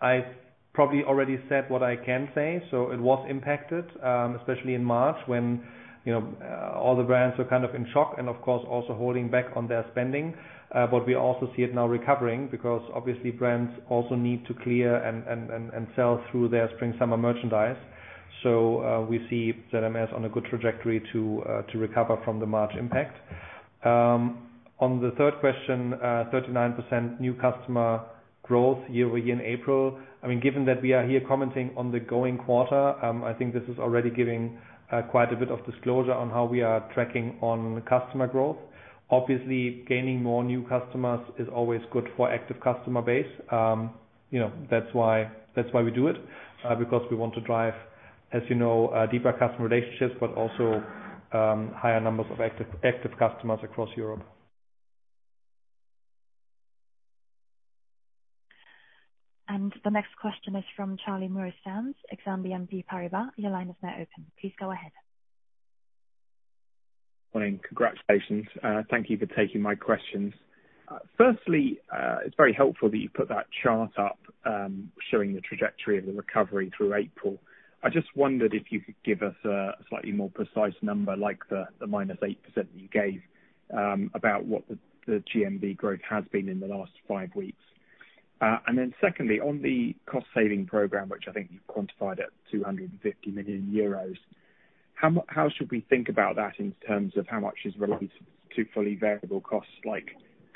I probably already said what I can say. It was impacted, especially in March when all the brands were kind of in shock and of course, also holding back on their spending. We also see it now recovering because obviously brands also need to clear and sell through their spring/summer merchandise. We see ZMS on a good trajectory to recover from the March impact. On the third question, 39% new customer growth year-over-year in April. Given that we are here commenting on the going quarter, I think this is already giving quite a bit of disclosure on how we are tracking on customer growth. Obviously, gaining more new customers is always good for active customer base. That's why we do it, because we want to drive, as you know, deeper customer relationships, but also higher numbers of active customers across Europe. The next question is from Charlie Muir-Sands, Exane BNP Paribas. Your line is now open. Please go ahead. Morning. Congratulations. Thank you for taking my questions. Firstly, it's very helpful that you put that chart up, showing the trajectory of the recovery through April. I just wondered if you could give us a slightly more precise number, like the -8% that you gave, about what the GMV growth has been in the last five weeks. Then secondly, on the cost-saving program, which I think you've quantified at 250 million euros, how should we think about that in terms of how much is related to fully variable costs like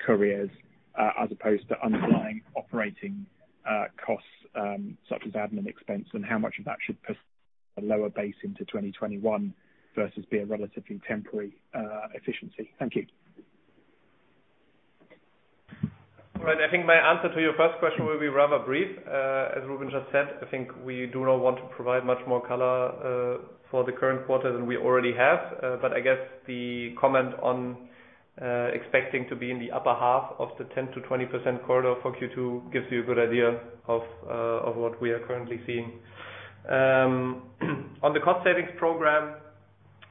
couriers, as opposed to underlying operating costs such as admin expense, and how much of that should persist at a lower base into 2021 versus be a relatively temporary efficiency? Thank you. All right. I think my answer to your first question will be rather brief. As Rubin just said, I think we do not want to provide much more color for the current quarter than we already have. I guess the comment on expecting to be in the upper half of the 10%-20% quarter for Q2 gives you a good idea of what we are currently seeing. On the cost savings program,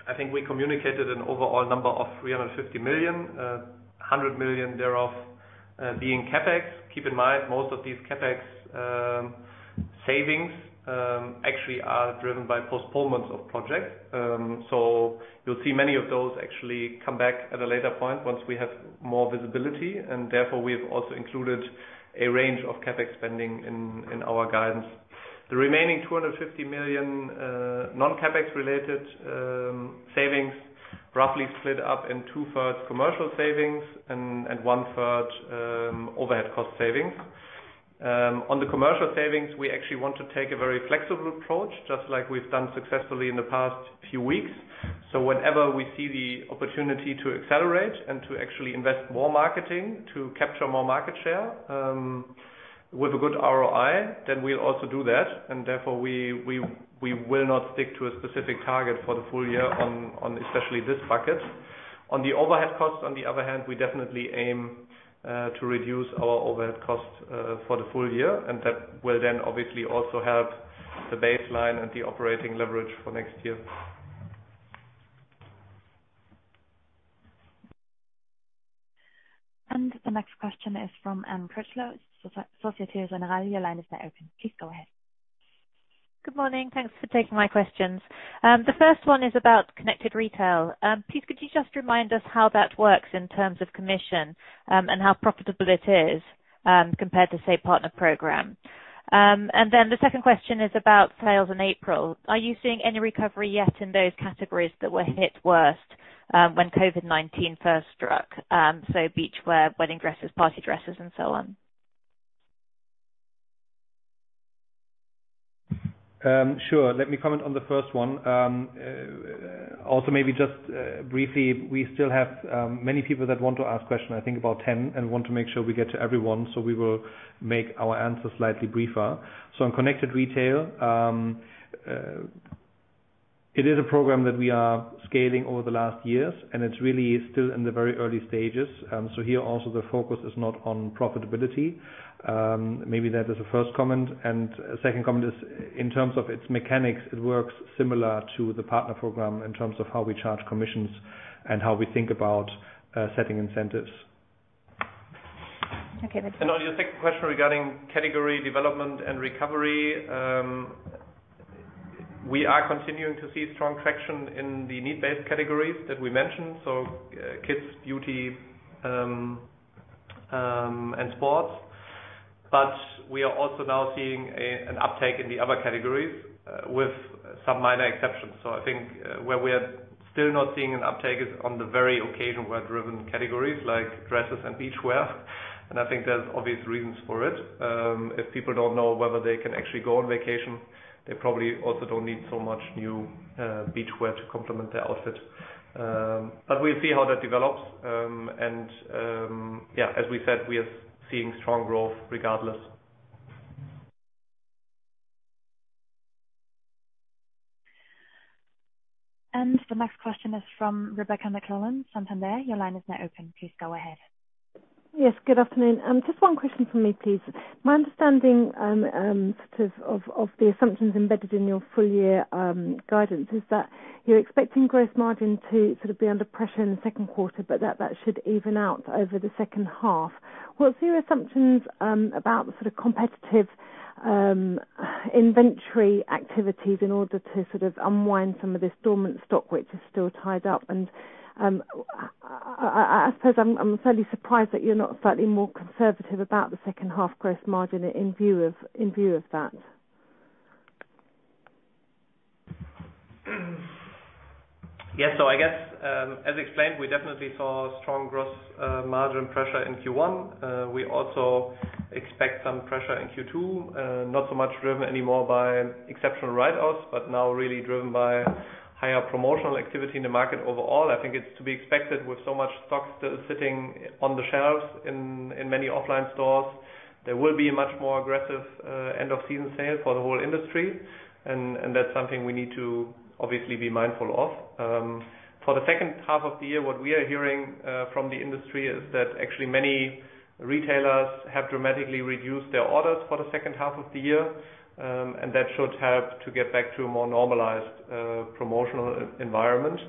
I think we communicated an overall number of 350 million, 100 million thereof being CapEx. Keep in mind, most of these CapEx Savings actually are driven by postponements of projects. You'll see many of those actually come back at a later point once we have more visibility, and therefore we have also included a range of CapEx spending in our guidance. The remaining 250 million non-CapEx related savings roughly split up in two-thirds commercial savings and one-third overhead cost savings. On the commercial savings, we actually want to take a very flexible approach, just like we've done successfully in the past few weeks. Whenever we see the opportunity to accelerate and to actually invest more marketing to capture more market share with a good ROI, then we'll also do that, and therefore we will not stick to a specific target for the full year on especially this bucket. On the overhead costs, on the other hand, we definitely aim to reduce our overhead costs for the full year. That will then obviously also help the baseline and the operating leverage for next year. The next question is from Anne Critchlow, Société Générale. Your line is now open. Please go ahead. Good morning. Thanks for taking my questions. The first one is about Connected Retail. Please, could you just remind us how that works in terms of commission, and how profitable it is compared to, say, Partner Program? Second question is about sales in April. Are you seeing any recovery yet in those categories that were hit worst when COVID-19 first struck? Beachwear, wedding dresses, party dresses, and so on. Sure. Let me comment on the first one. Maybe just briefly, we still have many people that want to ask questions, I think about 10, and want to make sure we get to everyone, so we will make our answers slightly briefer. On Connected Retail, it is a program that we are scaling over the last years, and it's really still in the very early stages. Here also the focus is not on profitability. Maybe that is the first comment. Second comment is in terms of its mechanics, it works similar to the Partner Program in terms of how we charge commissions and how we think about setting incentives. Okay, thank you. On your second question regarding category development and recovery, we are continuing to see strong traction in the need-based categories that we mentioned. Kids, beauty, and sports. We are also now seeing an uptake in the other categories with some minor exceptions. I think where we are still not seeing an uptake is on the very occasion wear-driven categories like dresses and beachwear, and I think there's obvious reasons for it. If people don't know whether they can actually go on vacation, they probably also don't need so much new beachwear to complement their outfit. We'll see how that develops. Yeah, as we said, we are seeing strong growth regardless. The next question is from Rebecca McClellan, Santander. Your line is now open. Please go ahead. Yes, good afternoon. Just one question from me, please. My understanding of the assumptions embedded in your full year guidance is that you're expecting gross margin to be under pressure in the second quarter, but that should even out over the second half. What's your assumptions about the competitive inventory activities in order to unwind some of this dormant stock which is still tied up? I suppose I'm fairly surprised that you're not slightly more conservative about the second half gross margin in view of that. I guess, as explained, we definitely saw strong gross margin pressure in Q1. We also expect some pressure in Q2. Not so much driven anymore by exceptional write-offs, but now really driven by higher promotional activity in the market overall. I think it's to be expected with so much stock still sitting on the shelves in many offline stores. There will be a much more aggressive end of season sale for the whole industry. That's something we need to obviously be mindful of. For the second half of the year, what we are hearing from the industry is that actually many retailers have dramatically reduced their orders for the second half of the year. That should help to get back to a more normalized promotional environment.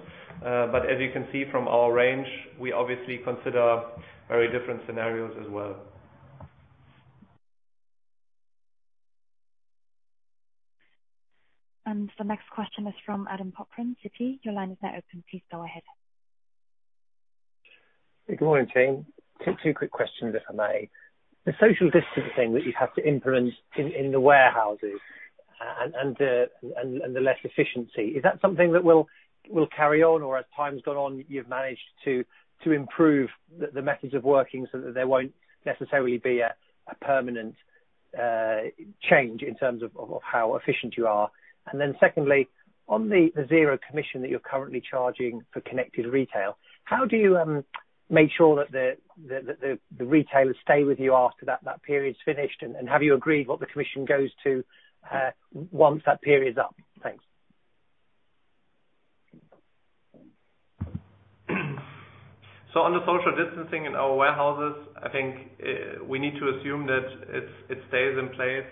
As you can see from our range, we obviously consider very different scenarios as well. The next question is from Adam Cochran, Citi. Your line is now open. Please go ahead. Good morning, team. Two quick questions, if I may. The social distancing that you have to implement in the warehouses and the less efficiency, is that something that will carry on? As time's gone on, you've managed to improve the methods of working so that there won't necessarily be a permanent change in terms of how efficient you are? Secondly, on the zero commission that you're currently charging for Connected Retail, how do you make sure that the retailers stay with you after that period is finished? Have you agreed what the commission goes to once that period is up? Thanks. On the social distancing in our warehouses, I think we need to assume that it stays in place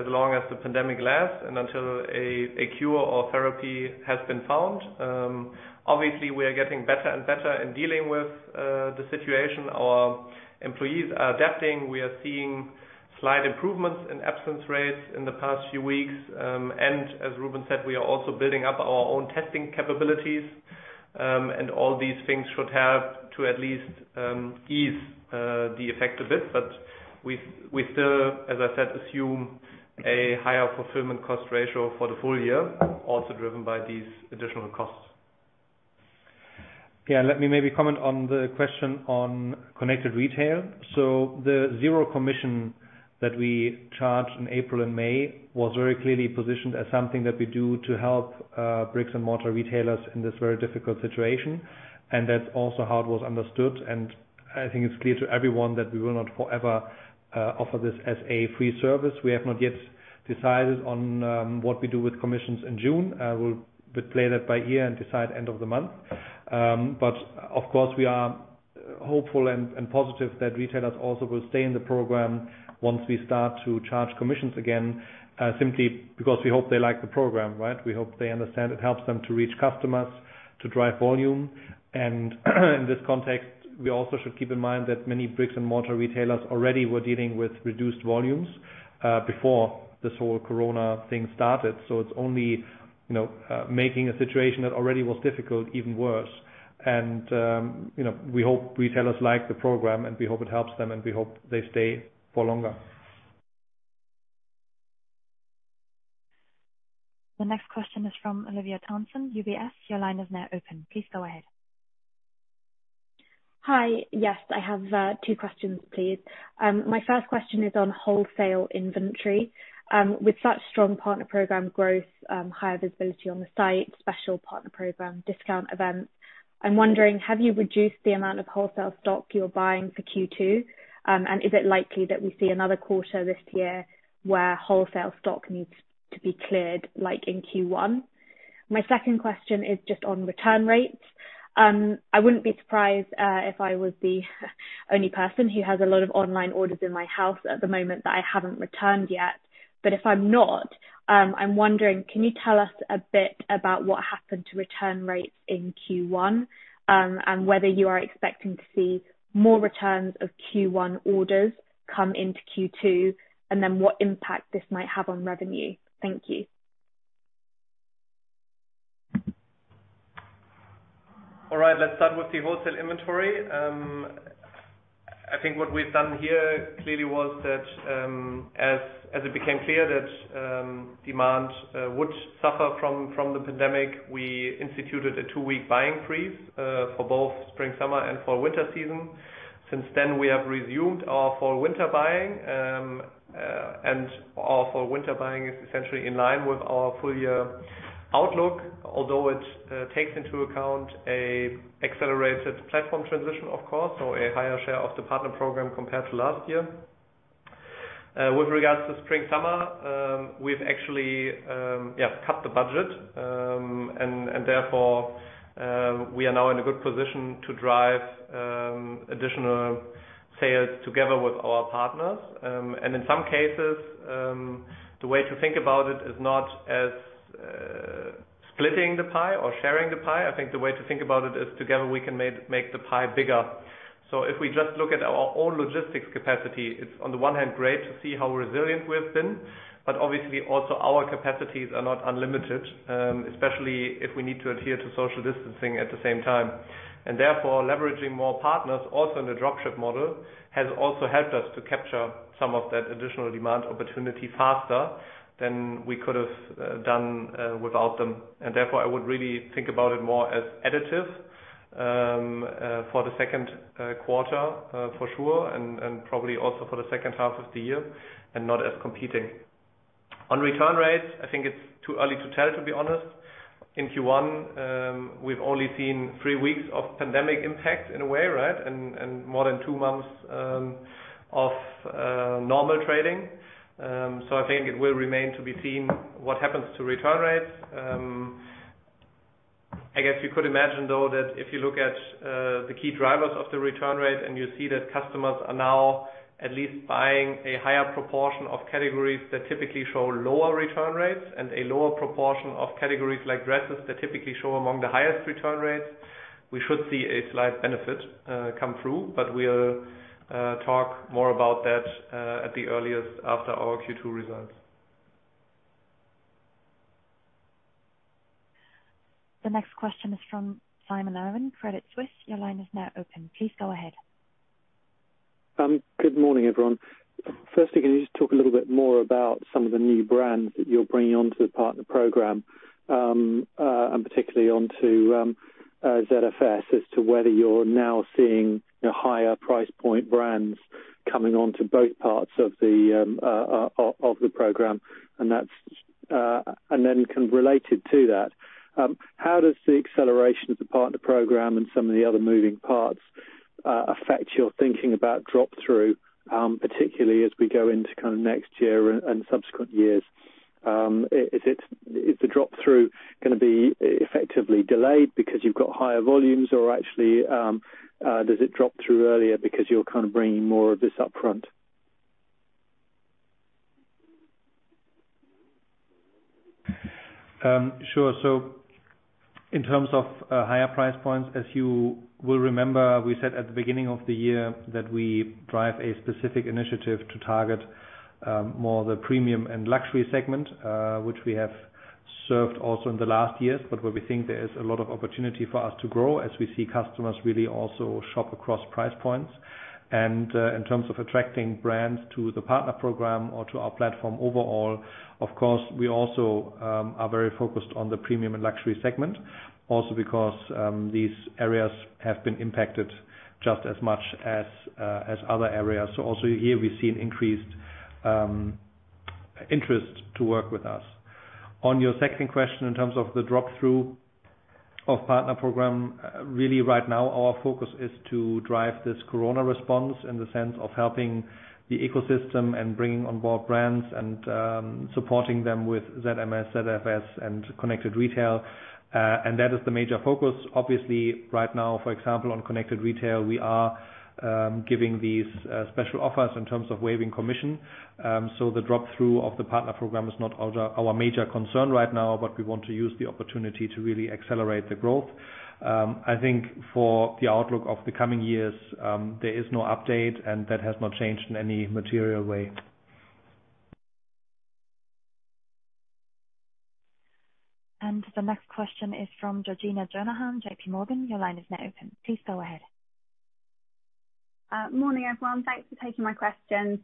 as long as the pandemic lasts and until a cure or therapy has been found. Obviously, we are getting better and better in dealing with the situation. Our employees are adapting. We are seeing slight improvements in absence rates in the past few weeks. As Rubin said, we are also building up our own testing capabilities. All these things should help to at least ease the effect a bit, but we still, as I said, assume a higher fulfillment cost ratio for the full year, also driven by these additional costs. Yeah. Let me maybe comment on the question on Connected Retail. The zero commission that we charged in April and May was very clearly positioned as something that we do to help bricks and mortar retailers in this very difficult situation, and that's also how it was understood. I think it's clear to everyone that we will not forever offer this as a free service. We have not yet decided on what we do with commissions in June. We'll play that by ear and decide end of the month. Of course, we are hopeful and positive that retailers also will stay in the program once we start to charge commissions again, simply because we hope they like the program. We hope they understand it helps them to reach customers, to drive volume. In this context, we also should keep in mind that many brick-and-mortar retailers already were dealing with reduced volumes, before this whole COVID-19 started. It's only making a situation that already was difficult, even worse. We hope retailers like the program, and we hope it helps them, and we hope they stay for longer. The next question is from Olivia Thompson, UBS. Your line is now open. Please go ahead. Hi. Yes, I have two questions, please. My first question is on wholesale inventory. With such strong Partner Program growth, higher visibility on the site, special Partner Program discount events, I'm wondering, have you reduced the amount of wholesale stock you're buying for Q2? Is it likely that we see another quarter this year where wholesale stock needs to be cleared, like in Q1? My second question is just on return rates. I wouldn't be surprised if I was the only person who has a lot of online orders in my house at the moment that I haven't returned yet. If I'm not, I'm wondering, can you tell us a bit about what happened to return rates in Q1, and whether you are expecting to see more returns of Q1 orders come into Q2? What impact this might have on revenue. Thank you. All right. Let's start with the wholesale inventory. I think what we've done here clearly was that, as it became clear that demand would suffer from the pandemic, we instituted a two-week buying freeze for both spring-summer and fall-winter season. Since then, we have resumed our fall-winter buying. Our fall-winter buying is essentially in line with our full year outlook, although it takes into account an accelerated platform transition, of course, so a higher share of the Partner Program compared to last year. With regards to spring-summer, we've actually cut the budget, and therefore, we are now in a good position to drive additional sales together with our partners. In some cases, the way to think about it is not as splitting the pie or sharing the pie. I think the way to think about it is together, we can make the pie bigger. If we just look at our own logistics capacity, it's on the one hand, great to see how resilient we've been, but obviously also our capacities are not unlimited, especially if we need to adhere to social distancing at the same time. Therefore, leveraging more partners also in the dropship model, has also helped us to capture some of that additional demand opportunity faster than we could have done without them. Therefore, I would really think about it more as additive for the second quarter for sure, and probably also for the second half of the year, and not as competing. On return rates, I think it's too early to tell, to be honest. In Q1, we've only seen three weeks of pandemic impact in a way, and more than two months of normal trading. I think it will remain to be seen what happens to return rates. I guess you could imagine, though, that if you look at the key drivers of the return rate and you see that customers are now at least buying a higher proportion of categories that typically show lower return rates and a lower proportion of categories like dresses that typically show among the highest return rates, we should see a slight benefit come through, but we will talk more about that at the earliest after our Q2 results. The next question is from Simon Irwin, Credit Suisse. Your line is now open. Please go ahead. Good morning, everyone. Firstly, can you just talk a little bit more about some of the new brands that you're bringing onto the Partner Program, and particularly onto ZFS as to whether you're now seeing higher price point brands coming onto both parts of the program? Kind of related to that. How does the acceleration of the Partner Program and some of the other moving parts. affect your thinking about drop-through, particularly as we go into next year and subsequent years. Is the drop-through going to be effectively delayed because you've got higher volumes or actually, does it drop through earlier because you're bringing more of this upfront? Sure. In terms of higher price points, as you will remember, we said at the beginning of the year that we drive a specific initiative to target more the premium and luxury segment, which we have served also in the last years, but where we think there is a lot of opportunity for us to grow as we see customers really also shop across price points. In terms of attracting brands to the Partner Program or to our platform overall, of course, we also are very focused on the premium and luxury segment also because, these areas have been impacted just as much as other areas. Also here we see an increased interest to work with us. On your second question, in terms of the drop-through of Partner Program, really right now our focus is to drive this Corona Response in the sense of helping the ecosystem and bringing on board brands and supporting them with ZMS, ZFS and Connected Retail. That is the major focus. Obviously, right now, for example, on Connected Retail, we are giving these special offers in terms of waiving commission. The drop-through of the Partner Program is not our major concern right now, but we want to use the opportunity to really accelerate the growth. I think for the outlook of the coming years, there is no update, and that has not changed in any material way. The next question is from Georgina Johanan, J.P. Morgan. Your line is now open. Please go ahead. Morning, everyone. Thanks for taking my questions.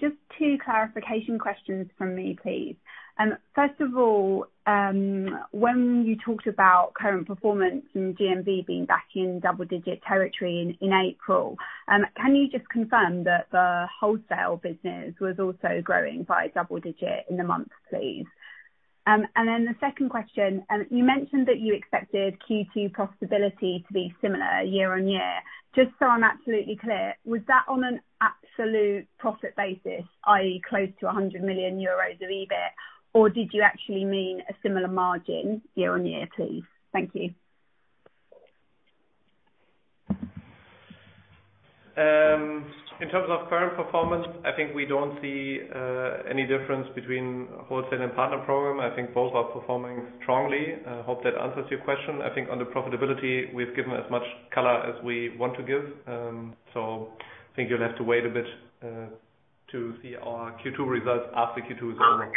Just two clarification questions from me, please. First of all, when you talked about current performance and GMV being back in double-digit territory in April, can you just confirm that the wholesale business was also growing by double-digit in the month, please? The second question, you mentioned that you expected Q2 profitability to be similar year-on-year. Just so I'm absolutely clear, was that on an absolute profit basis, i.e. close to 100 million euros of EBIT? Did you actually mean a similar margin year-on-year, please? Thank you. In terms of current performance, I think we don't see any difference between wholesale and Partner Program. I think both are performing strongly. I hope that answers your question. I think on the profitability, we've given as much color as we want to give. I think you'll have to wait a bit to see our Q2 results after Q2 is over.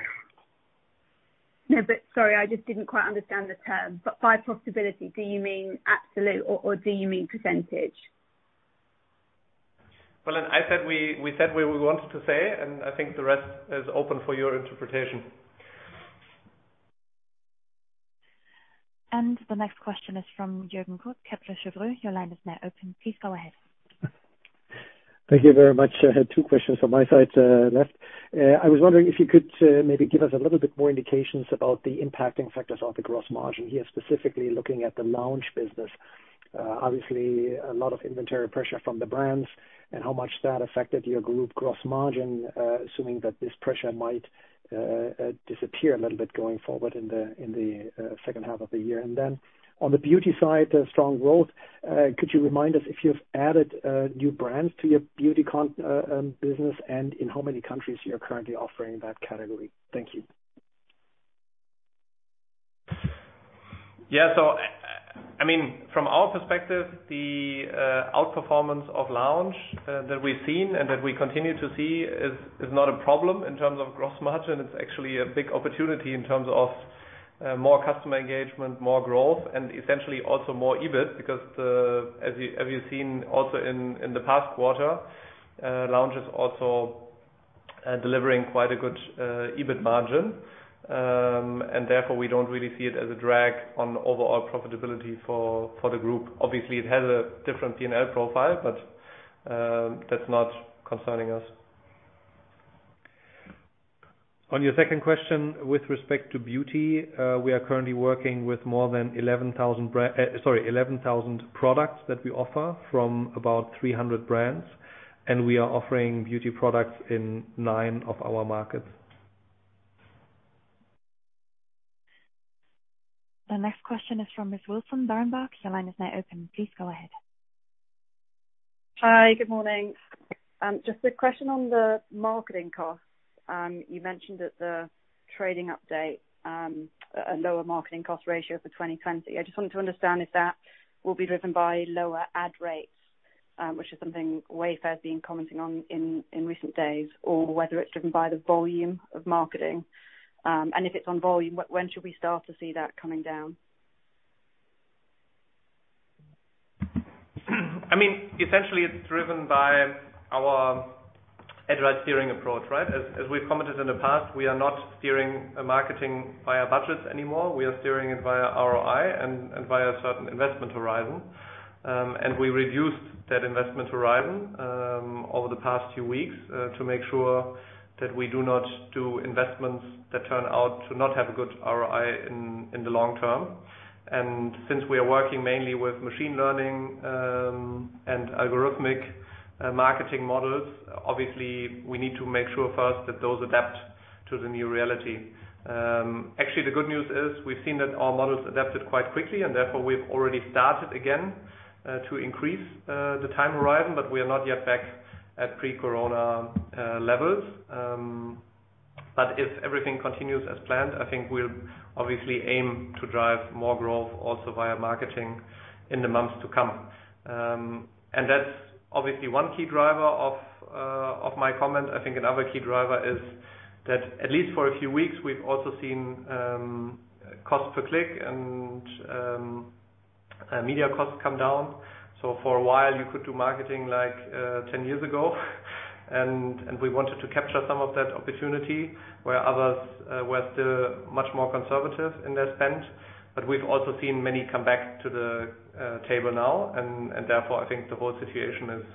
Sorry, I just didn't quite understand the term. By profitability, do you mean absolute or do you mean percentage? Well, we said what we wanted to say, and I think the rest is open for your interpretation. The next question is from Jürgen Kolb, Kepler Cheuvreux. Your line is now open. Please go ahead. Thank you very much. I had two questions on my side left. I was wondering if you could maybe give us a little bit more indications about the impacting factors on the gross margin here, specifically looking at the Lounge business. Obviously, a lot of inventory pressure from the brands and how much that affected your group gross margin, assuming that this pressure might disappear a little bit going forward in the second half of the year. On the beauty side, strong growth. Could you remind us if you've added new brands to your beauty business and in how many countries you're currently offering that category? Thank you. Yeah. From our perspective, the outperformance of Lounge that we've seen and that we continue to see is not a problem in terms of gross margin. It's actually a big opportunity in terms of more customer engagement, more growth, and essentially also more EBIT because as you've seen also in the past quarter, Lounge is also delivering quite a good EBIT margin. Therefore, we don't really see it as a drag on overall profitability for the group. Obviously, it has a different P&L profile, but that's not concerning us. On your second question with respect to beauty, we are currently working with more than 11,000 products that we offer from about 300 brands, and we are offering beauty products in nine of our markets. The next question is from Michelle Wilson, Berenberg. Your line is now open. Please go ahead. Hi, good morning. Just a question on the marketing costs. You mentioned at the trading update, a lower marketing cost ratio for 2020. I just wanted to understand if that will be driven by lower ad rates, which is something Wayfair's been commenting on in recent days, or whether it's driven by the volume of marketing. If it's on volume, when should we start to see that coming down? Essentially, it's driven by our ad steering approach, right? As we've commented in the past, we are not steering marketing via budgets anymore. We are steering it via ROI and via a certain investment horizon. We reduced that investment horizon over the past few weeks, to make sure that we do not do investments that turn out to not have a good ROI in the long term. Since we are working mainly with machine learning and algorithmic marketing models, obviously we need to make sure first that those adapt to the new reality. Actually, the good news is we've seen that our models adapted quite quickly, and therefore we've already started again to increase the time horizon, but we are not yet back at pre-COVID-19 levels. If everything continues as planned, I think we'll obviously aim to drive more growth also via marketing in the months to come. That's obviously one key driver of my comment. I think another key driver is that at least for a few weeks, we've also seen cost per click and media costs come down. For a while you could do marketing like 10 years ago, and we wanted to capture some of that opportunity where others were still much more conservative in their spend. We've also seen many come back to the table now, and therefore I think the whole situation is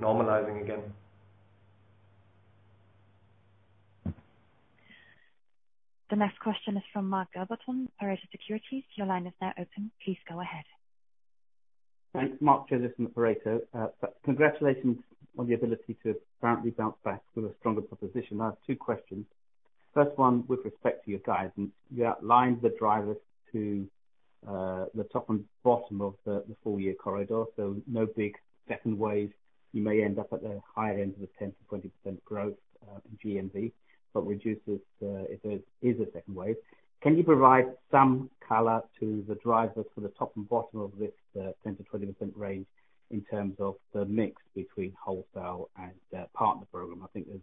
normalizing again. The next question is from Mark Gilbertson, Pareto Securities. Your line is now open. Please go ahead. Thanks. Mark Gilbertson from Pareto. Congratulations on the ability to apparently bounce back with a stronger proposition. I have two questions. First one, with respect to your guidance, you outlined the drivers to the top and bottom of the full-year corridor. No big second wave. You may end up at the higher end of the 10%-20% growth in GMV, but reduces if there is a second wave. Can you provide some color to the drivers for the top and bottom of this 10%-20% range in terms of the mix between wholesale and the Partner Program? I think there's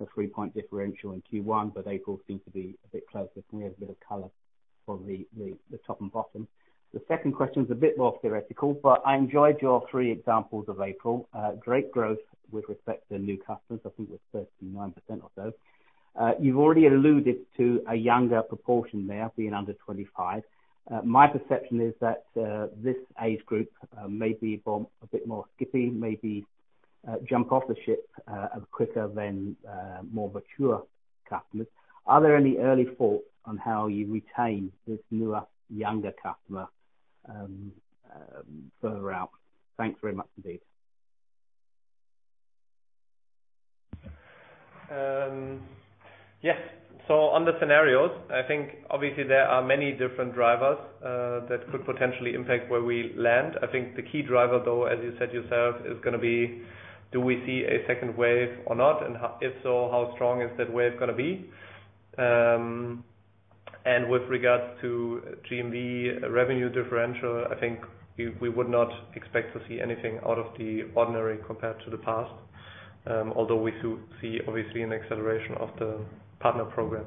a three-point differential in Q1, but April seemed to be a bit closer. Can we have a bit of color for the top and bottom? The second question is a bit more theoretical, but I enjoyed your three examples of April. Great growth with respect to new customers. I think it was 39% or so. You've already alluded to a younger proportion there, being under 25. My perception is that this age group may be a bit more skippy, maybe jump off the ship quicker than more mature customers. Are there any early thoughts on how you retain this newer, younger customer further out? Thanks very much indeed. Yes. On the scenarios, I think obviously there are many different drivers that could potentially impact where we land. I think the key driver, though, as you said yourself, is going to be do we see a second wave or not? If so, how strong is that wave going to be? With regards to GMV revenue differential, I think we would not expect to see anything out of the ordinary compared to the past. Although we do see, obviously, an acceleration of the Partner Program.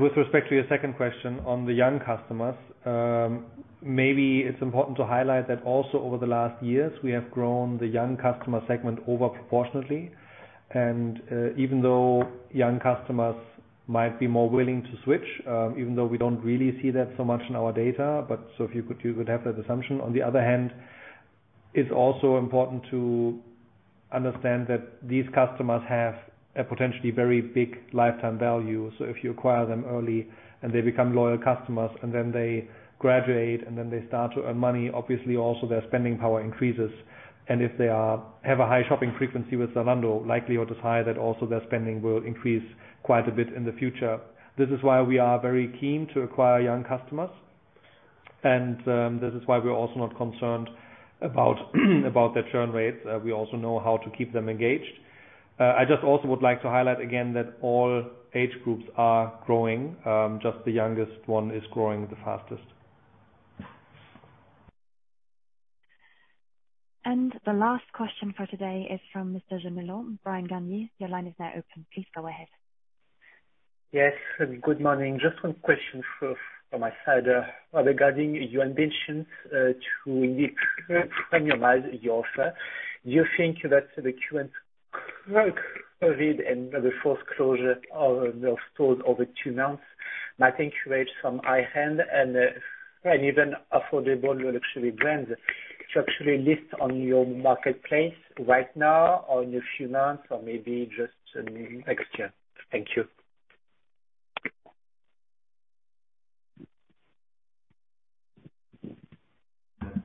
With respect to your second question on the young customers, maybe it's important to highlight that also over the last years, we have grown the young customer segment over proportionately. Even though young customers might be more willing to switch, even though we don't really see that so much in our data, if you could have that assumption. On the other hand, it's also important to understand that these customers have a potentially very big lifetime value. If you acquire them early and they become loyal customers, and then they graduate, and then they start to earn money, obviously also their spending power increases. If they have a high shopping frequency with Zalando, likelihood is high that also their spending will increase quite a bit in the future. This is why we are very keen to acquire young customers, and this is why we're also not concerned about their churn rates. We also know how to keep them engaged. I just also would like to highlight again that all age groups are growing. Just the youngest one is growing the fastest. The last question for today is from Mr. Jamillon. Bryan Garnier, your line is now open. Please go ahead. Yes. Good morning. Just one question from my side. Regarding your ambitions to indeed premiumize your offer, do you think that the current COVID-19 and the forced closure of stores over two months might encourage some high-end and even affordable luxury brands to actually list on your marketplace right now or in a few months or maybe just next year? Thank you.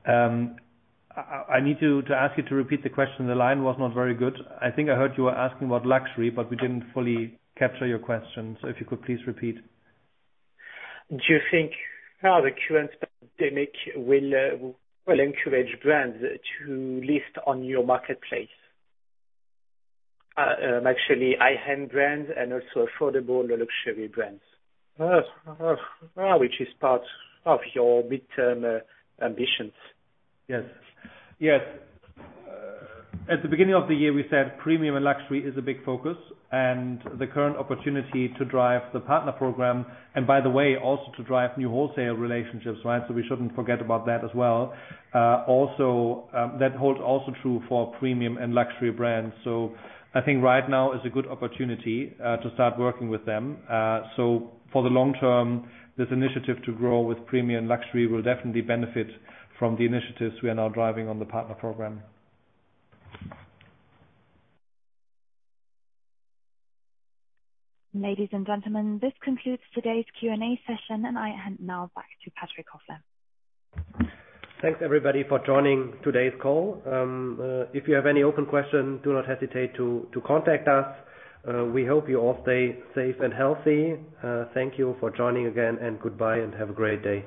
I need you to repeat the question. The line was not very good. I think I heard you were asking about luxury, but we didn't fully capture your question. If you could please repeat. Do you think how the current pandemic will encourage brands to list on your marketplace? Actually, high-end brands and also affordable luxury brands, which is part of your midterm ambitions. Yes. At the beginning of the year, we said premium and luxury is a big focus and the current opportunity to drive the Partner Program, and by the way, also to drive new wholesale relationships. We shouldn't forget about that as well. That holds also true for premium and luxury brands. I think right now is a good opportunity to start working with them. For the long term, this initiative to grow with premium luxury will definitely benefit from the initiatives we are now driving on the Partner Program. Ladies and gentlemen, this concludes today's Q&A session, and I hand now back to Patrick Kofler. Thanks, everybody, for joining today's call. If you have any open questions, do not hesitate to contact us. We hope you all stay safe and healthy. Thank you for joining again, and goodbye, and have a great day.